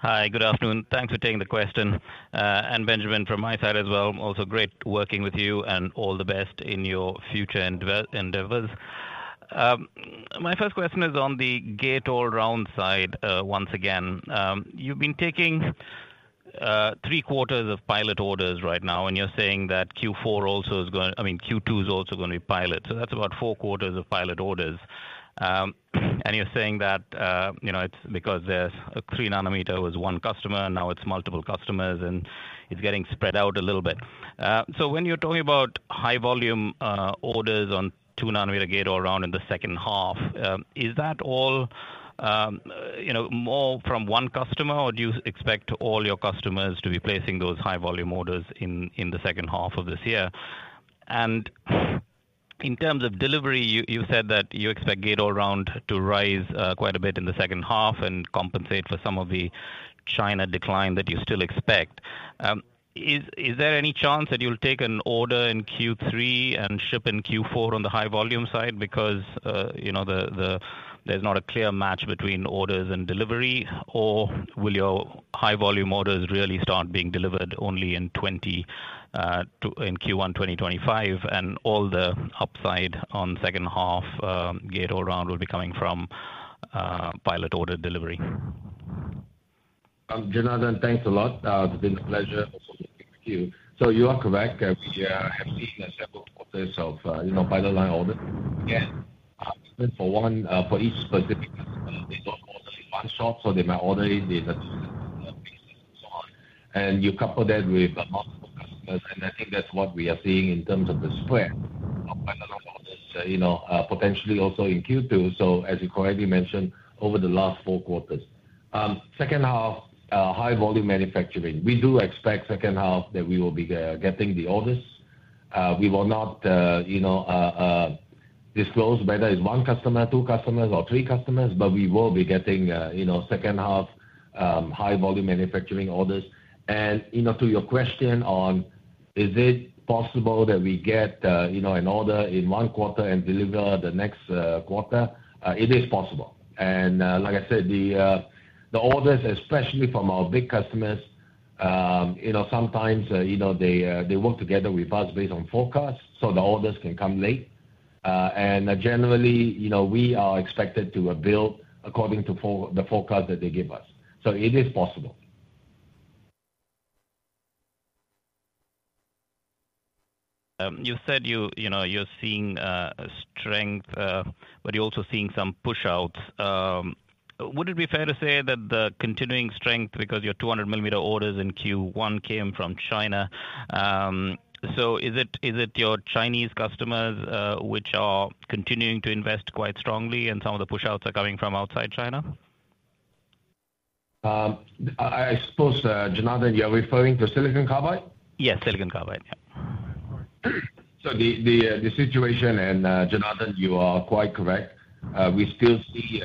Hi, good afternoon. Thanks for taking the question. And Benjamin, from my side as well, also great working with you, and all the best in your future endeavors. My first question is on the Gate-All-Around side, once again. You've been taking three quarters of pilot orders right now, and you're saying that Q4 also is going—I mean, Q2 is also going to be pilot, so that's about four quarters of pilot orders. And you're saying that, you know, it's because there's a 3 nm was one customer, and now it's multiple customers, and it's getting spread out a little bit. So when you're talking about high volume orders on 2 nm Gate-All-Around in the second half, is that all, you know, more from one customer, or do you expect all your customers to be placing those high volume orders in the second half of this year? And in terms of delivery, you said that you expect gate all round to rise quite a bit in the second half and compensate for some of the China decline that you still expect. Is there any chance that you'll take an order in Q3 and ship in Q4 on the high volume side? Because, you know, there's not a clear match between orders and delivery, or will your high volume orders really start being delivered only in 2022 in Q1 2025, and all the upside on second half Gate-All-Around will be coming from pilot order delivery? Janardan, thanks a lot. It's been a pleasure speaking with you. So you are correct. We are have seen several quarters of, you know, pilot line orders. Again, for one, for each specific customer, they don't order in one shop, so they might order it in the... And so on. And you couple that with a lot of customers, and I think that's what we are seeing in terms of the spread of pilot orders, you know, potentially also in Q2. So as you correctly mentioned, over the last four quarters. Second half, high volume manufacturing. We do expect second half that we will be, getting the orders. We will not, you know, disclose whether it's one customer, two customers, or three customers, but we will be getting, you know, second half, high volume manufacturing orders. You know, to your question on, is it possible that we get, you know, an order in one quarter and deliver the next quarter? It is possible. Like I said, the orders, especially from our big customers. You know, sometimes, you know, they work together with us based on forecasts, so the orders can come late. And generally, you know, we are expected to build according to the forecast that they give us, so it is possible. You said you, you know, you're seeing strength, but you're also seeing some push-out. Would it be fair to say that the continuing strength, because your 200 mm orders in Q1 came from China, so is it, is it your Chinese customers, which are continuing to invest quite strongly, and some of the push-outs are coming from outside China? I suppose, Janardan, you are referring to silicon carbide? Yes, silicon carbide. So the situation, and Janardan, you are quite correct. We still see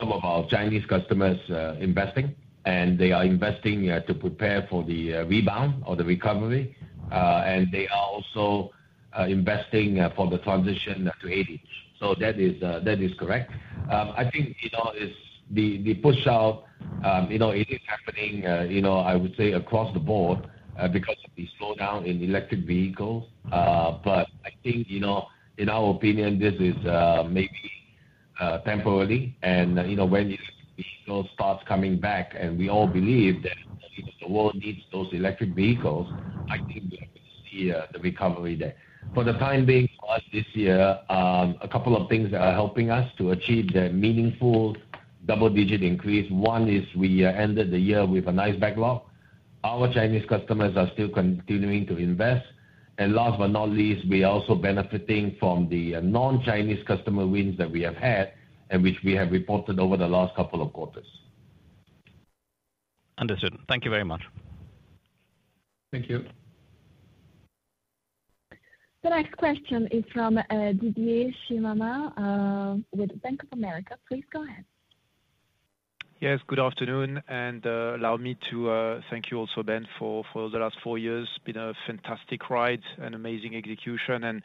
some of our Chinese customers investing, and they are investing to prepare for the rebound or the recovery. And they are also investing for the transition to 8-inch. So that is correct. I think, you know, it's the push out, you know, it is happening, you know, I would say, across the board because of the slowdown in electric vehicles. But I think, you know, in our opinion, this is maybe temporarily and, you know, when these vehicles start coming back, and we all believe that the world needs those electric vehicles, I think we will see the recovery there. For the time being, this year, a couple of things are helping us to achieve the meaningful double-digit increase. One is we ended the year with a nice backlog. Our Chinese customers are still continuing to invest. Last but not least, we are also benefiting from the non-Chinese customer wins that we have had, and which we have reported over the last couple of quarters. Understood. Thank you very much. Thank you. The next question is from Didier Scemama with Bank of America. Please go ahead. Yes, good afternoon, and allow me to thank you also, Ben, for the last four years. Been a fantastic ride, an amazing execution. And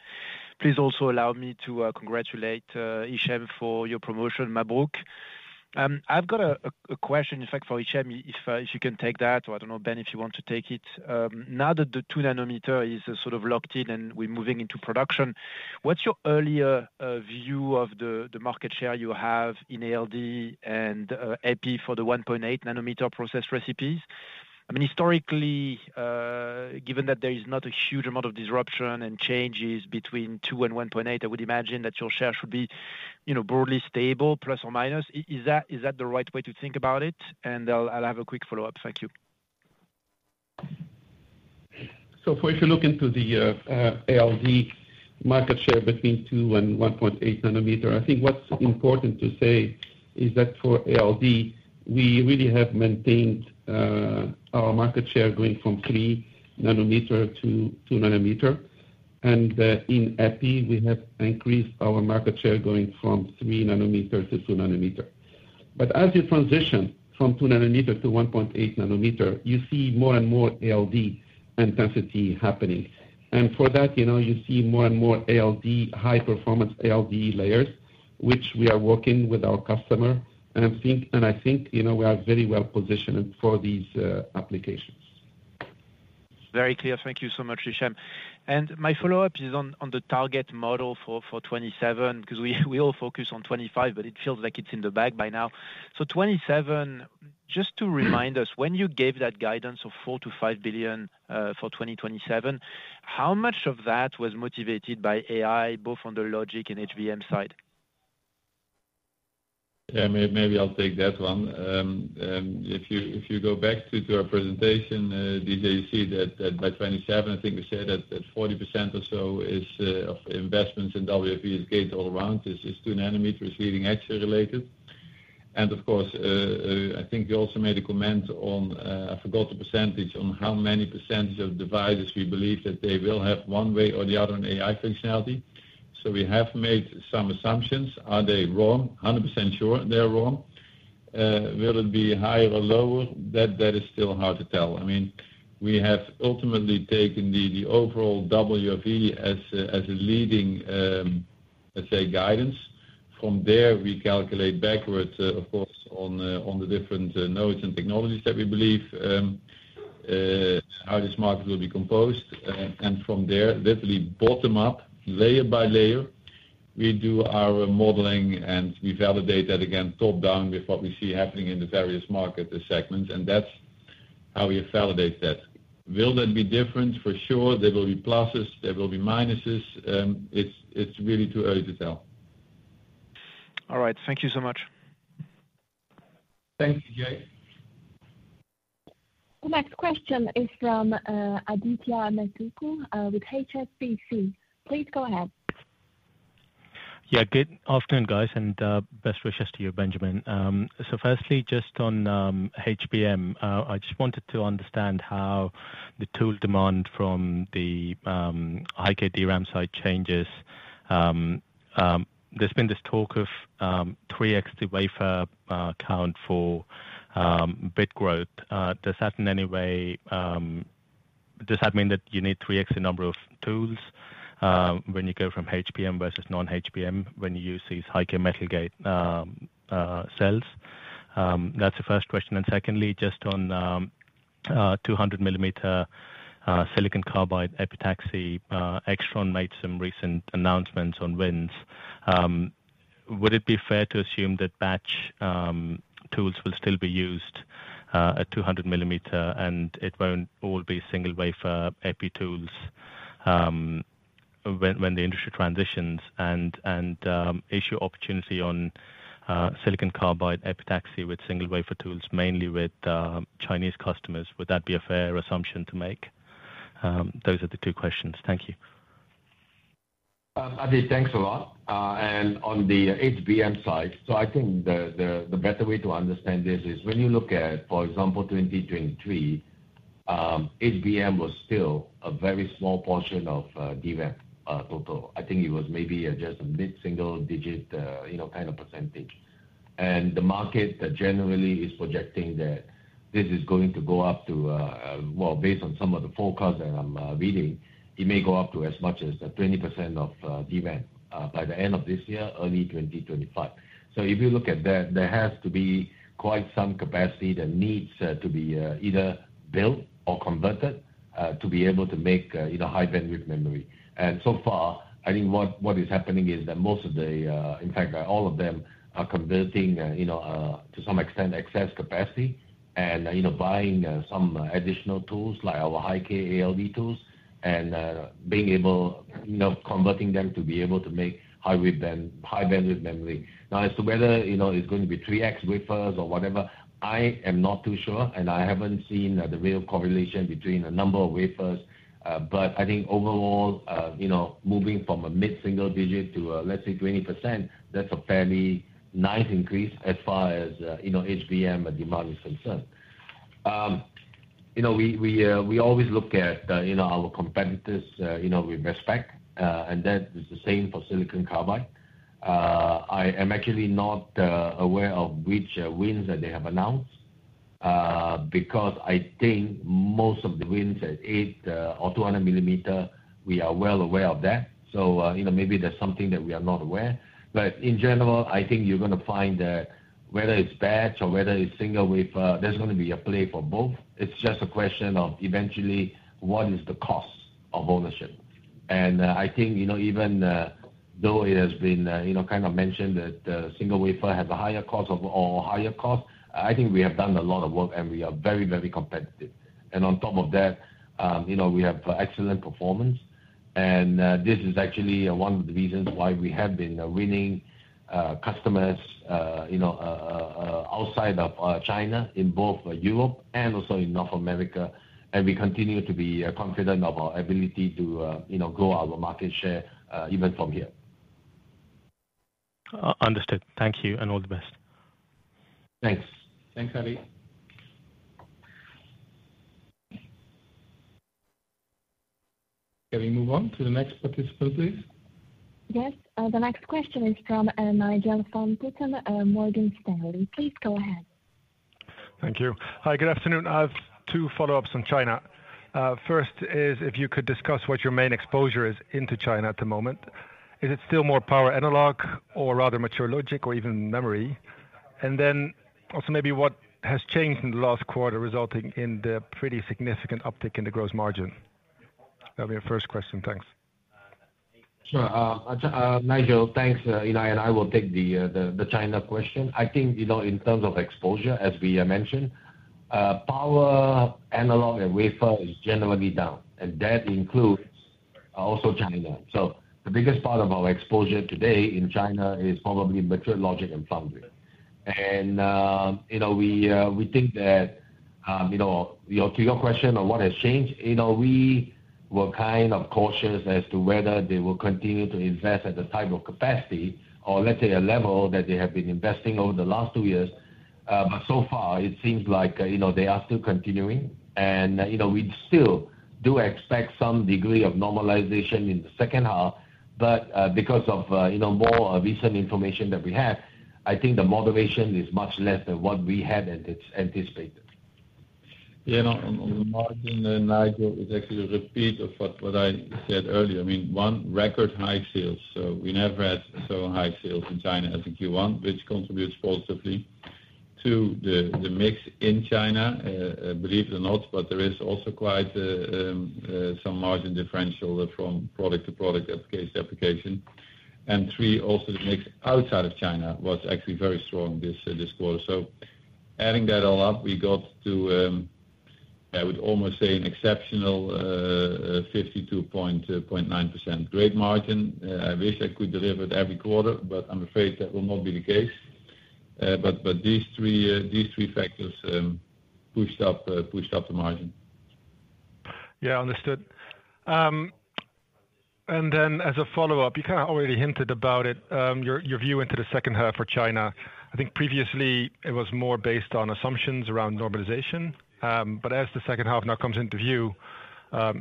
please also allow me to congratulate Hichem for your promotion. Mabrook. I've got a question, in fact, for Hichem, if you can take that, or I don't know, Ben, if you want to take it. Now that the 2 nm is sort of locked in, and we're moving into production, what's your earlier view of the market share you have in ALD and Epi for the 1.8 nm process recipes? I mean, historically, given that there is not a huge amount of disruption and changes between 2 and 1.8, I would imagine that your share should be, you know, broadly stable, plus or minus. Is that, is that the right way to think about it? And I'll, I'll have a quick follow-up. Thank you. So if you look into the, ALD market share between 2 and 1.8 nm I think what's important to say is that for ALD, we really have maintained, our market share going from 3 nm to 2 nm. And, in Epi, we have increased our market share going from 3 nm to 2 nm. But as you transition from 2 nm to 1.8 nm, you see more and more ALD intensity happening. And for that, you know, you see more and more ALD, high-performance ALD layers, which we are working with our customer. And I think, and I think, you know, we are very well positioned for these, applications. Very clear. Thank you so much, Hichem. And my follow-up is on the target model for 2027, because we all focus on 2025, but it feels like it's in the bag by now. So 2027, just to remind us, when you gave that guidance of 4 billion-5 billion for 2027, how much of that was motivated by AI, both on the logic and HBM side? Yeah, maybe I'll take that one. If you go back to our presentation, Didier, you see that by 2027, I think we said that 40% or so of investments in WFE is GAA, is 2 nm, leading-edge related. And of course, I think you also made a comment on, I forgot the percentage, on how many percentage of devices we believe that they will have one way or the other, an AI functionality. So we have made some assumptions. Are they wrong? 100% sure they're wrong. Will it be higher or lower? That is still hard to tell. I mean, we have ultimately taken the overall WFE as a leading, let's say, guidance. From there, we calculate backwards, of course, on the different nodes and technologies that we believe how this market will be composed. And from there, literally bottom up, layer by layer, we do our modeling, and we validate that again, top-down, with what we see happening in the various market segments, and that's how we validate that. Will that be different? For sure, there will be pluses, there will be minuses. It's really too early to tell. All right. Thank you so much. Thank you, Didier. The next question is from Aditya Metuku with HSBC. Please go ahead. Yeah, good afternoon, guys, and, best wishes to you, Benjamin. So firstly, just on, HBM, I just wanted to understand how the tool demand from the, High-K ramp side changes. There's been this talk of, 3x the wafer count for, bit growth. Does that in any way... Does that mean that you need 3x number of tools, when you go from HBM versus non-HBM, when you use these High-K Metal Gate cells? That's the first question. And secondly, just on 200 mm silicon carbide epitaxy, Aixtron made some recent announcements on wins. Would it be fair to assume that batch tools will still be used at 200 mm, and it won't all be single wafer Epi tools when the industry transitions? And is there opportunity on silicon carbide epitaxy with single wafer tools, mainly with Chinese customers. Would that be a fair assumption to make? Those are the two questions. Thank you. Adi, thanks a lot. And on the HBM side, so I think the better way to understand this is when you look at, for example, 2023, HBM was still a very small portion of DRAM total. I think it was maybe just a mid-single digit, you know, kind of percentage. And the market generally is projecting that this is going to go up to, well, based on some of the forecasts that I'm reading, it may go up to as much as 20% of DRAM by the end of this year, early 2025. So if you look at that, there has to be quite some capacity that needs to be either built or converted to be able to make, you know, high bandwidth memory. So far, I think what is happening is that most of the, in fact, all of them are converting, you know, to some extent excess capacity and, you know, buying, some additional tools like our High-K ALD tools, and, being able, you know, converting them to be able to make high bandwidth memory. Now, as to whether, you know, it's going to be 3x wafers or whatever, I am not too sure, and I haven't seen the real correlation between the number of wafers. But I think overall, you know, moving from a mid-single digit to, let's say 20%, that's a fairly nice increase as far as, you know, HBM and demand is concerned. You know, we always look at, you know, our competitors, you know, with respect, and that is the same for silicon carbide. I am actually not aware of which wins that they have announced, because I think most of the wins at 8 or 200 mm, we are well aware of that. So, you know, maybe there's something that we are not aware. But in general, I think you're gonna find that whether it's batch or whether it's single wafer, there's gonna be a play for both. It's just a question of eventually, what is the cost of ownership? I think, you know, even though it has been, you know, kind of mentioned that single wafer has a higher cost or higher cost, I think we have done a lot of work and we are very, very competitive. And on top of that, you know, we have excellent performance. And this is actually one of the reasons why we have been winning customers, you know, outside of China, in both Europe and also in North America. And we continue to be confident of our ability to, you know, grow our market share, even from here. Understood. Thank you, and all the best. Thanks. Thanks, Adi. Can we move on to the next participant, please? Yes. The next question is from Nigel van Putten, Morgan Stanley. Please go ahead. Thank you. Hi, good afternoon. I have two follow-ups on China. First is if you could discuss what your main exposure is into China at the moment. Is it still more power analog or rather mature logic or even memory? And then also maybe what has changed in the last quarter, resulting in the pretty significant uptick in the gross margin? That'll be our first question. Thanks. Sure. Nigel, thanks, you know, and I will take the China question. I think, you know, in terms of exposure, as we mentioned, power, analog, and wafer is generally down, and that includes also China. So the biggest part of our exposure today in China is probably mature logic and foundry. And, you know, we think that, you know, to your question on what has changed, you know, we were kind of cautious as to whether they will continue to invest at the type of capacity or, let's say, a level that they have been investing over the last two years. But so far, it seems like, you know, they are still continuing. You know, we still do expect some degree of normalization in the second half, but because of, you know, more recent information that we have, I think the moderation is much less than what we had anticipated. Yeah, no, on the margin, and Nigel, it's actually a repeat of what I said earlier. I mean, one, record high sales, so we never had so high sales in China as in Q1, which contributes positively to the mix in China. Believe it or not, but there is also quite some margin differential from product to product, application to application. And three, also the mix outside of China was actually very strong this quarter. So adding that all up, we got to, I would almost say, an exceptional 52.9% gross margin. I wish I could deliver it every quarter, but I'm afraid that will not be the case. But these three factors pushed up the margin. Yeah, understood. And then as a follow-up, you kind of already hinted about it, your view into the second half for China. I think previously it was more based on assumptions around normalization. But as the second half now comes into view,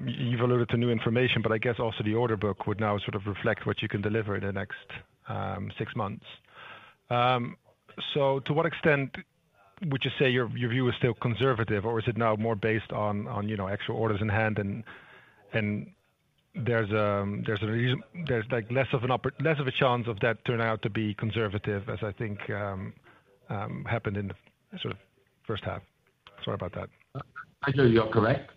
you've alluded to new information, but I guess also the order book would now sort of reflect what you can deliver in the next six months. So to what extent would you say your view is still conservative, or is it now more based on, you know, actual orders in hand? And there's a reason—there's like less of a chance of that turning out to be conservative, as I think happened in the sort of first half. Sorry about that. Actually, you are correct.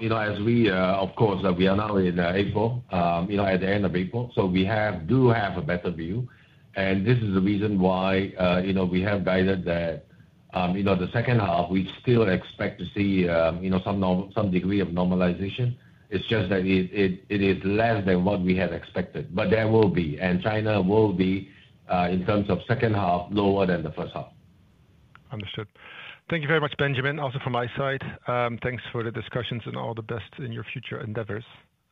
You know, as we, of course, we are now in April, you know, at the end of April, so we do have a better view. And this is the reason why, you know, we have guided that, you know, the second half, we still expect to see, you know, some norm, some degree of normalization. It's just that it is less than what we had expected. But there will be, and China will be, in terms of second half, lower than the first half. Understood. Thank you very much, Benjamin. Also from my side, thanks for the discussions and all the best in your future endeavors,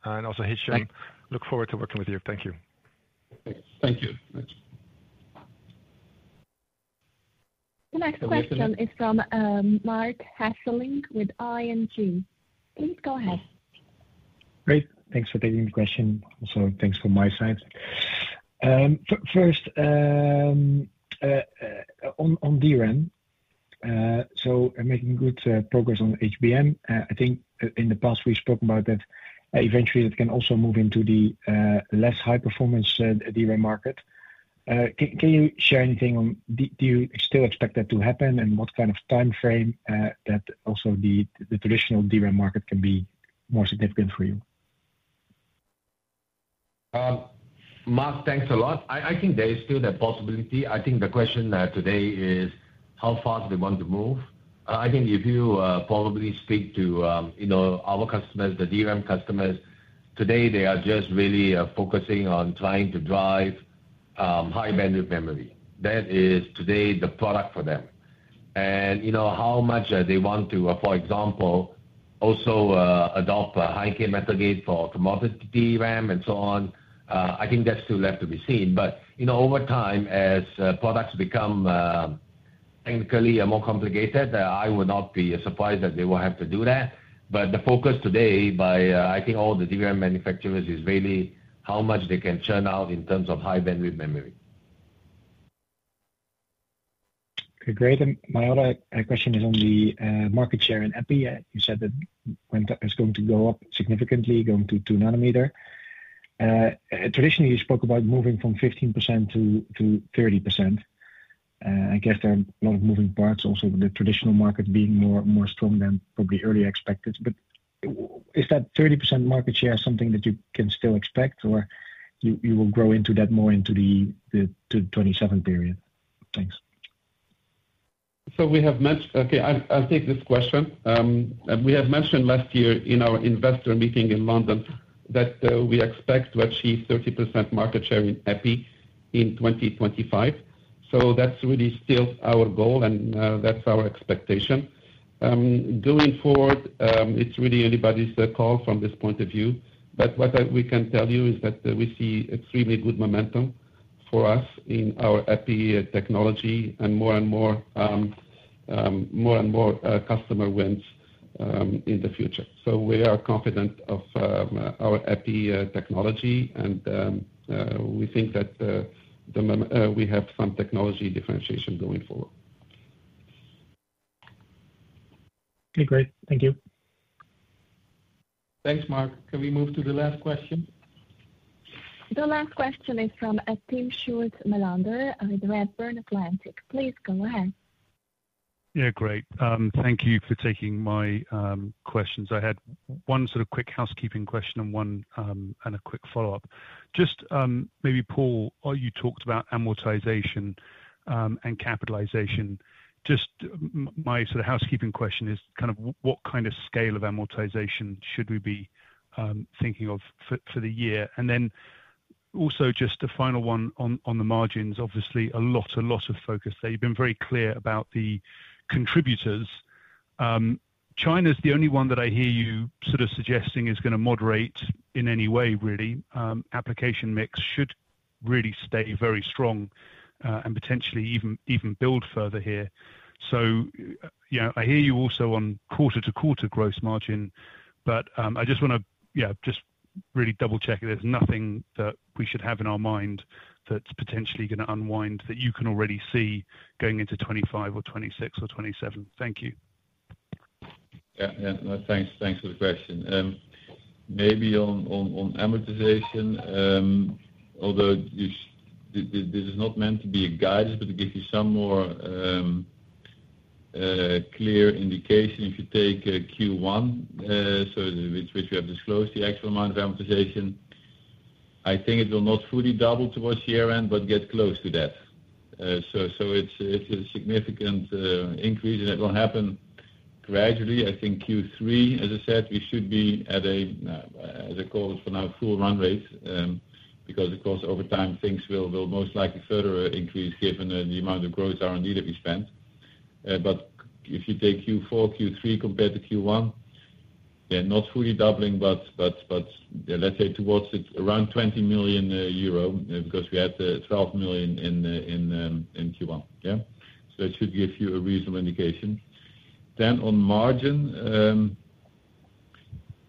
and also Hichem. Thank. Look forward to working with you. Thank you. Thank you. Thanks. The next question is from, Marc Hesselink with ING. Please go ahead. Great. Thanks for taking the question. Also, thanks from my side. First, on DRAM, so making good progress on HBM. I think in the past we've spoken about that eventually that can also move into the less high performance DRAM market. Can you share anything on... Do you still expect that to happen, and what kind of time frame that also the traditional DRAM market can be more significant for you? Mark, thanks a lot. I think there is still that possibility. I think the question today is how fast we want to move. I think if you probably speak to, you know, our customers, the DRAM customers, today they are just really focusing on trying to drive high-bandwidth memory. That is today the product for them. And, you know, how much they want to, for example, also, adopt a High-K Metal Gate for commodity RAM and so on, I think that's still left to be seen. But, you know, over time, as products become technically more complicated, I would not be surprised that they will have to do that. But the focus today by, I think all the DRAM manufacturers, is really how much they can churn out in terms of high-bandwidth memory. Okay, great. And my other question is on the market share in ALD. You said that when it's going to go up significantly, going to 2 nm. Traditionally, you spoke about moving from 15% to 30%. I guess there are a lot of moving parts, also the traditional market being more strong than probably earlier expected. But is that 30% market share something that you can still expect, or you will grow into that more into the 2027 period? Thanks. So we have mentioned... Okay, I'll take this question. We have mentioned last year in our investor meeting in London, that we expect to achieve 30% market share in Epi in 2025, so that's really still our goal, and that's our expectation. Going forward, it's really anybody's call from this point of view. But what we can tell you is that we see extremely good momentum for us in our Epi technology and more and more customer wins in the future. So we are confident of our Epi technology, and we think that we have some technology differentiation going forward. Okay, great. Thank you. Thanks, Mark. Can we move to the last question? The last question is from, Timm Schulze-Melander with Redburn Atlantic. Please go ahead. Yeah, great. Thank you for taking my questions. I had one sort of quick housekeeping question and a quick follow-up. Just maybe, Paul, you talked about amortization and capitalization. Just my sort of housekeeping question is kind of what kind of scale of amortization should we be thinking of for the year? And then also just a final one on the margins. Obviously, a lot of focus there. You've been very clear about the contributors. China's the only one that I hear you sort of suggesting is gonna moderate in any way, really. Application mix should really stay very strong and potentially even build further here. So, yeah, I hear you also on quarter-to-quarter gross margin, but, I just wanna, yeah, just really double-check there's nothing that we should have in our mind that's potentially gonna unwind, that you can already see going into 2025 or 2026 or 2027. Thank you. Yeah, yeah. No, thanks, thanks for the question. Maybe on amortization, although this is not meant to be a guidance, but to give you some more clear indication, if you take Q1, which we have disclosed the actual amount of amortization, I think it will not fully double towards the year-end, but get close to that. So it's a significant increase, and it will happen gradually. I think Q3, as I said, we should be at a full run rate. Because of course, over time, things will most likely further increase given the amount of growth R&D that we spent. But if you take Q4, Q3 compared to Q1, they're not fully doubling, but let's say towards around 20 million euro, because we had 12 million in Q1. Yeah? So it should give you a reasonable indication. Then on margin...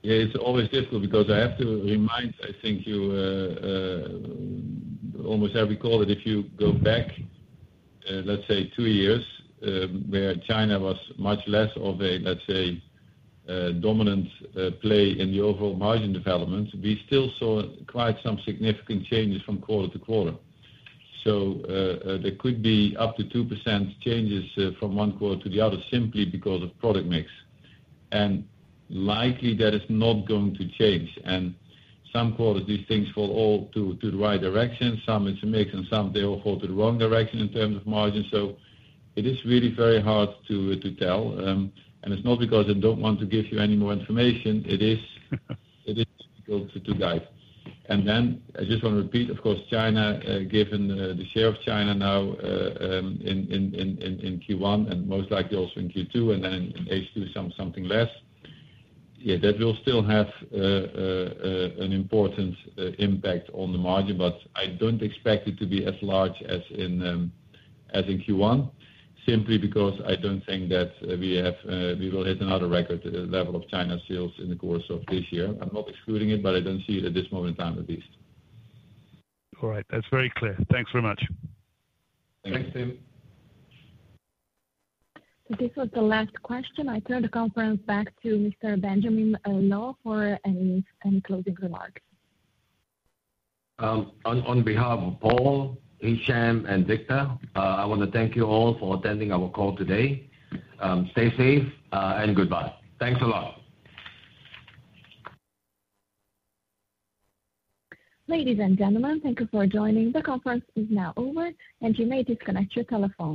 Yeah, it's always difficult because I have to remind, I think, you almost every quarter, that if you go back let's say two years, where China was much less of a, let's say, dominant play in the overall margin development, we still saw quite some significant changes from quarter to quarter. So there could be up to 2% changes from one quarter to the other, simply because of product mix. And likely, that is not going to change. Some quarters, these things fall all to the right direction, some it's a mix, and some they all fall to the wrong direction in terms of margin. It is really very hard to tell. It's not because I don't want to give you any more information, it is difficult to guide. Then I just want to repeat, of course, China, given the share of China now in Q1 and most likely also in Q2, and then in H2, something less, yeah, that will still have an important impact on the margin. I don't expect it to be as large as in, as in Q1, simply because I don't think that we will hit another record level of China sales in the course of this year. I'm not excluding it, but I don't see it at this moment in time, at least. All right. That's very clear. Thanks very much. Thanks, Timm. This was the last question. I turn the conference back to Mr. Benjamin Loh for any closing remarks. On behalf of Paul Verhagen, Hichem M'Saad, and Victor Bareño, I want to thank you all for attending our call today. Stay safe, and goodbye. Thanks a lot. Ladies and gentlemen, thank you for joining. The conference is now over, and you may disconnect your telephone.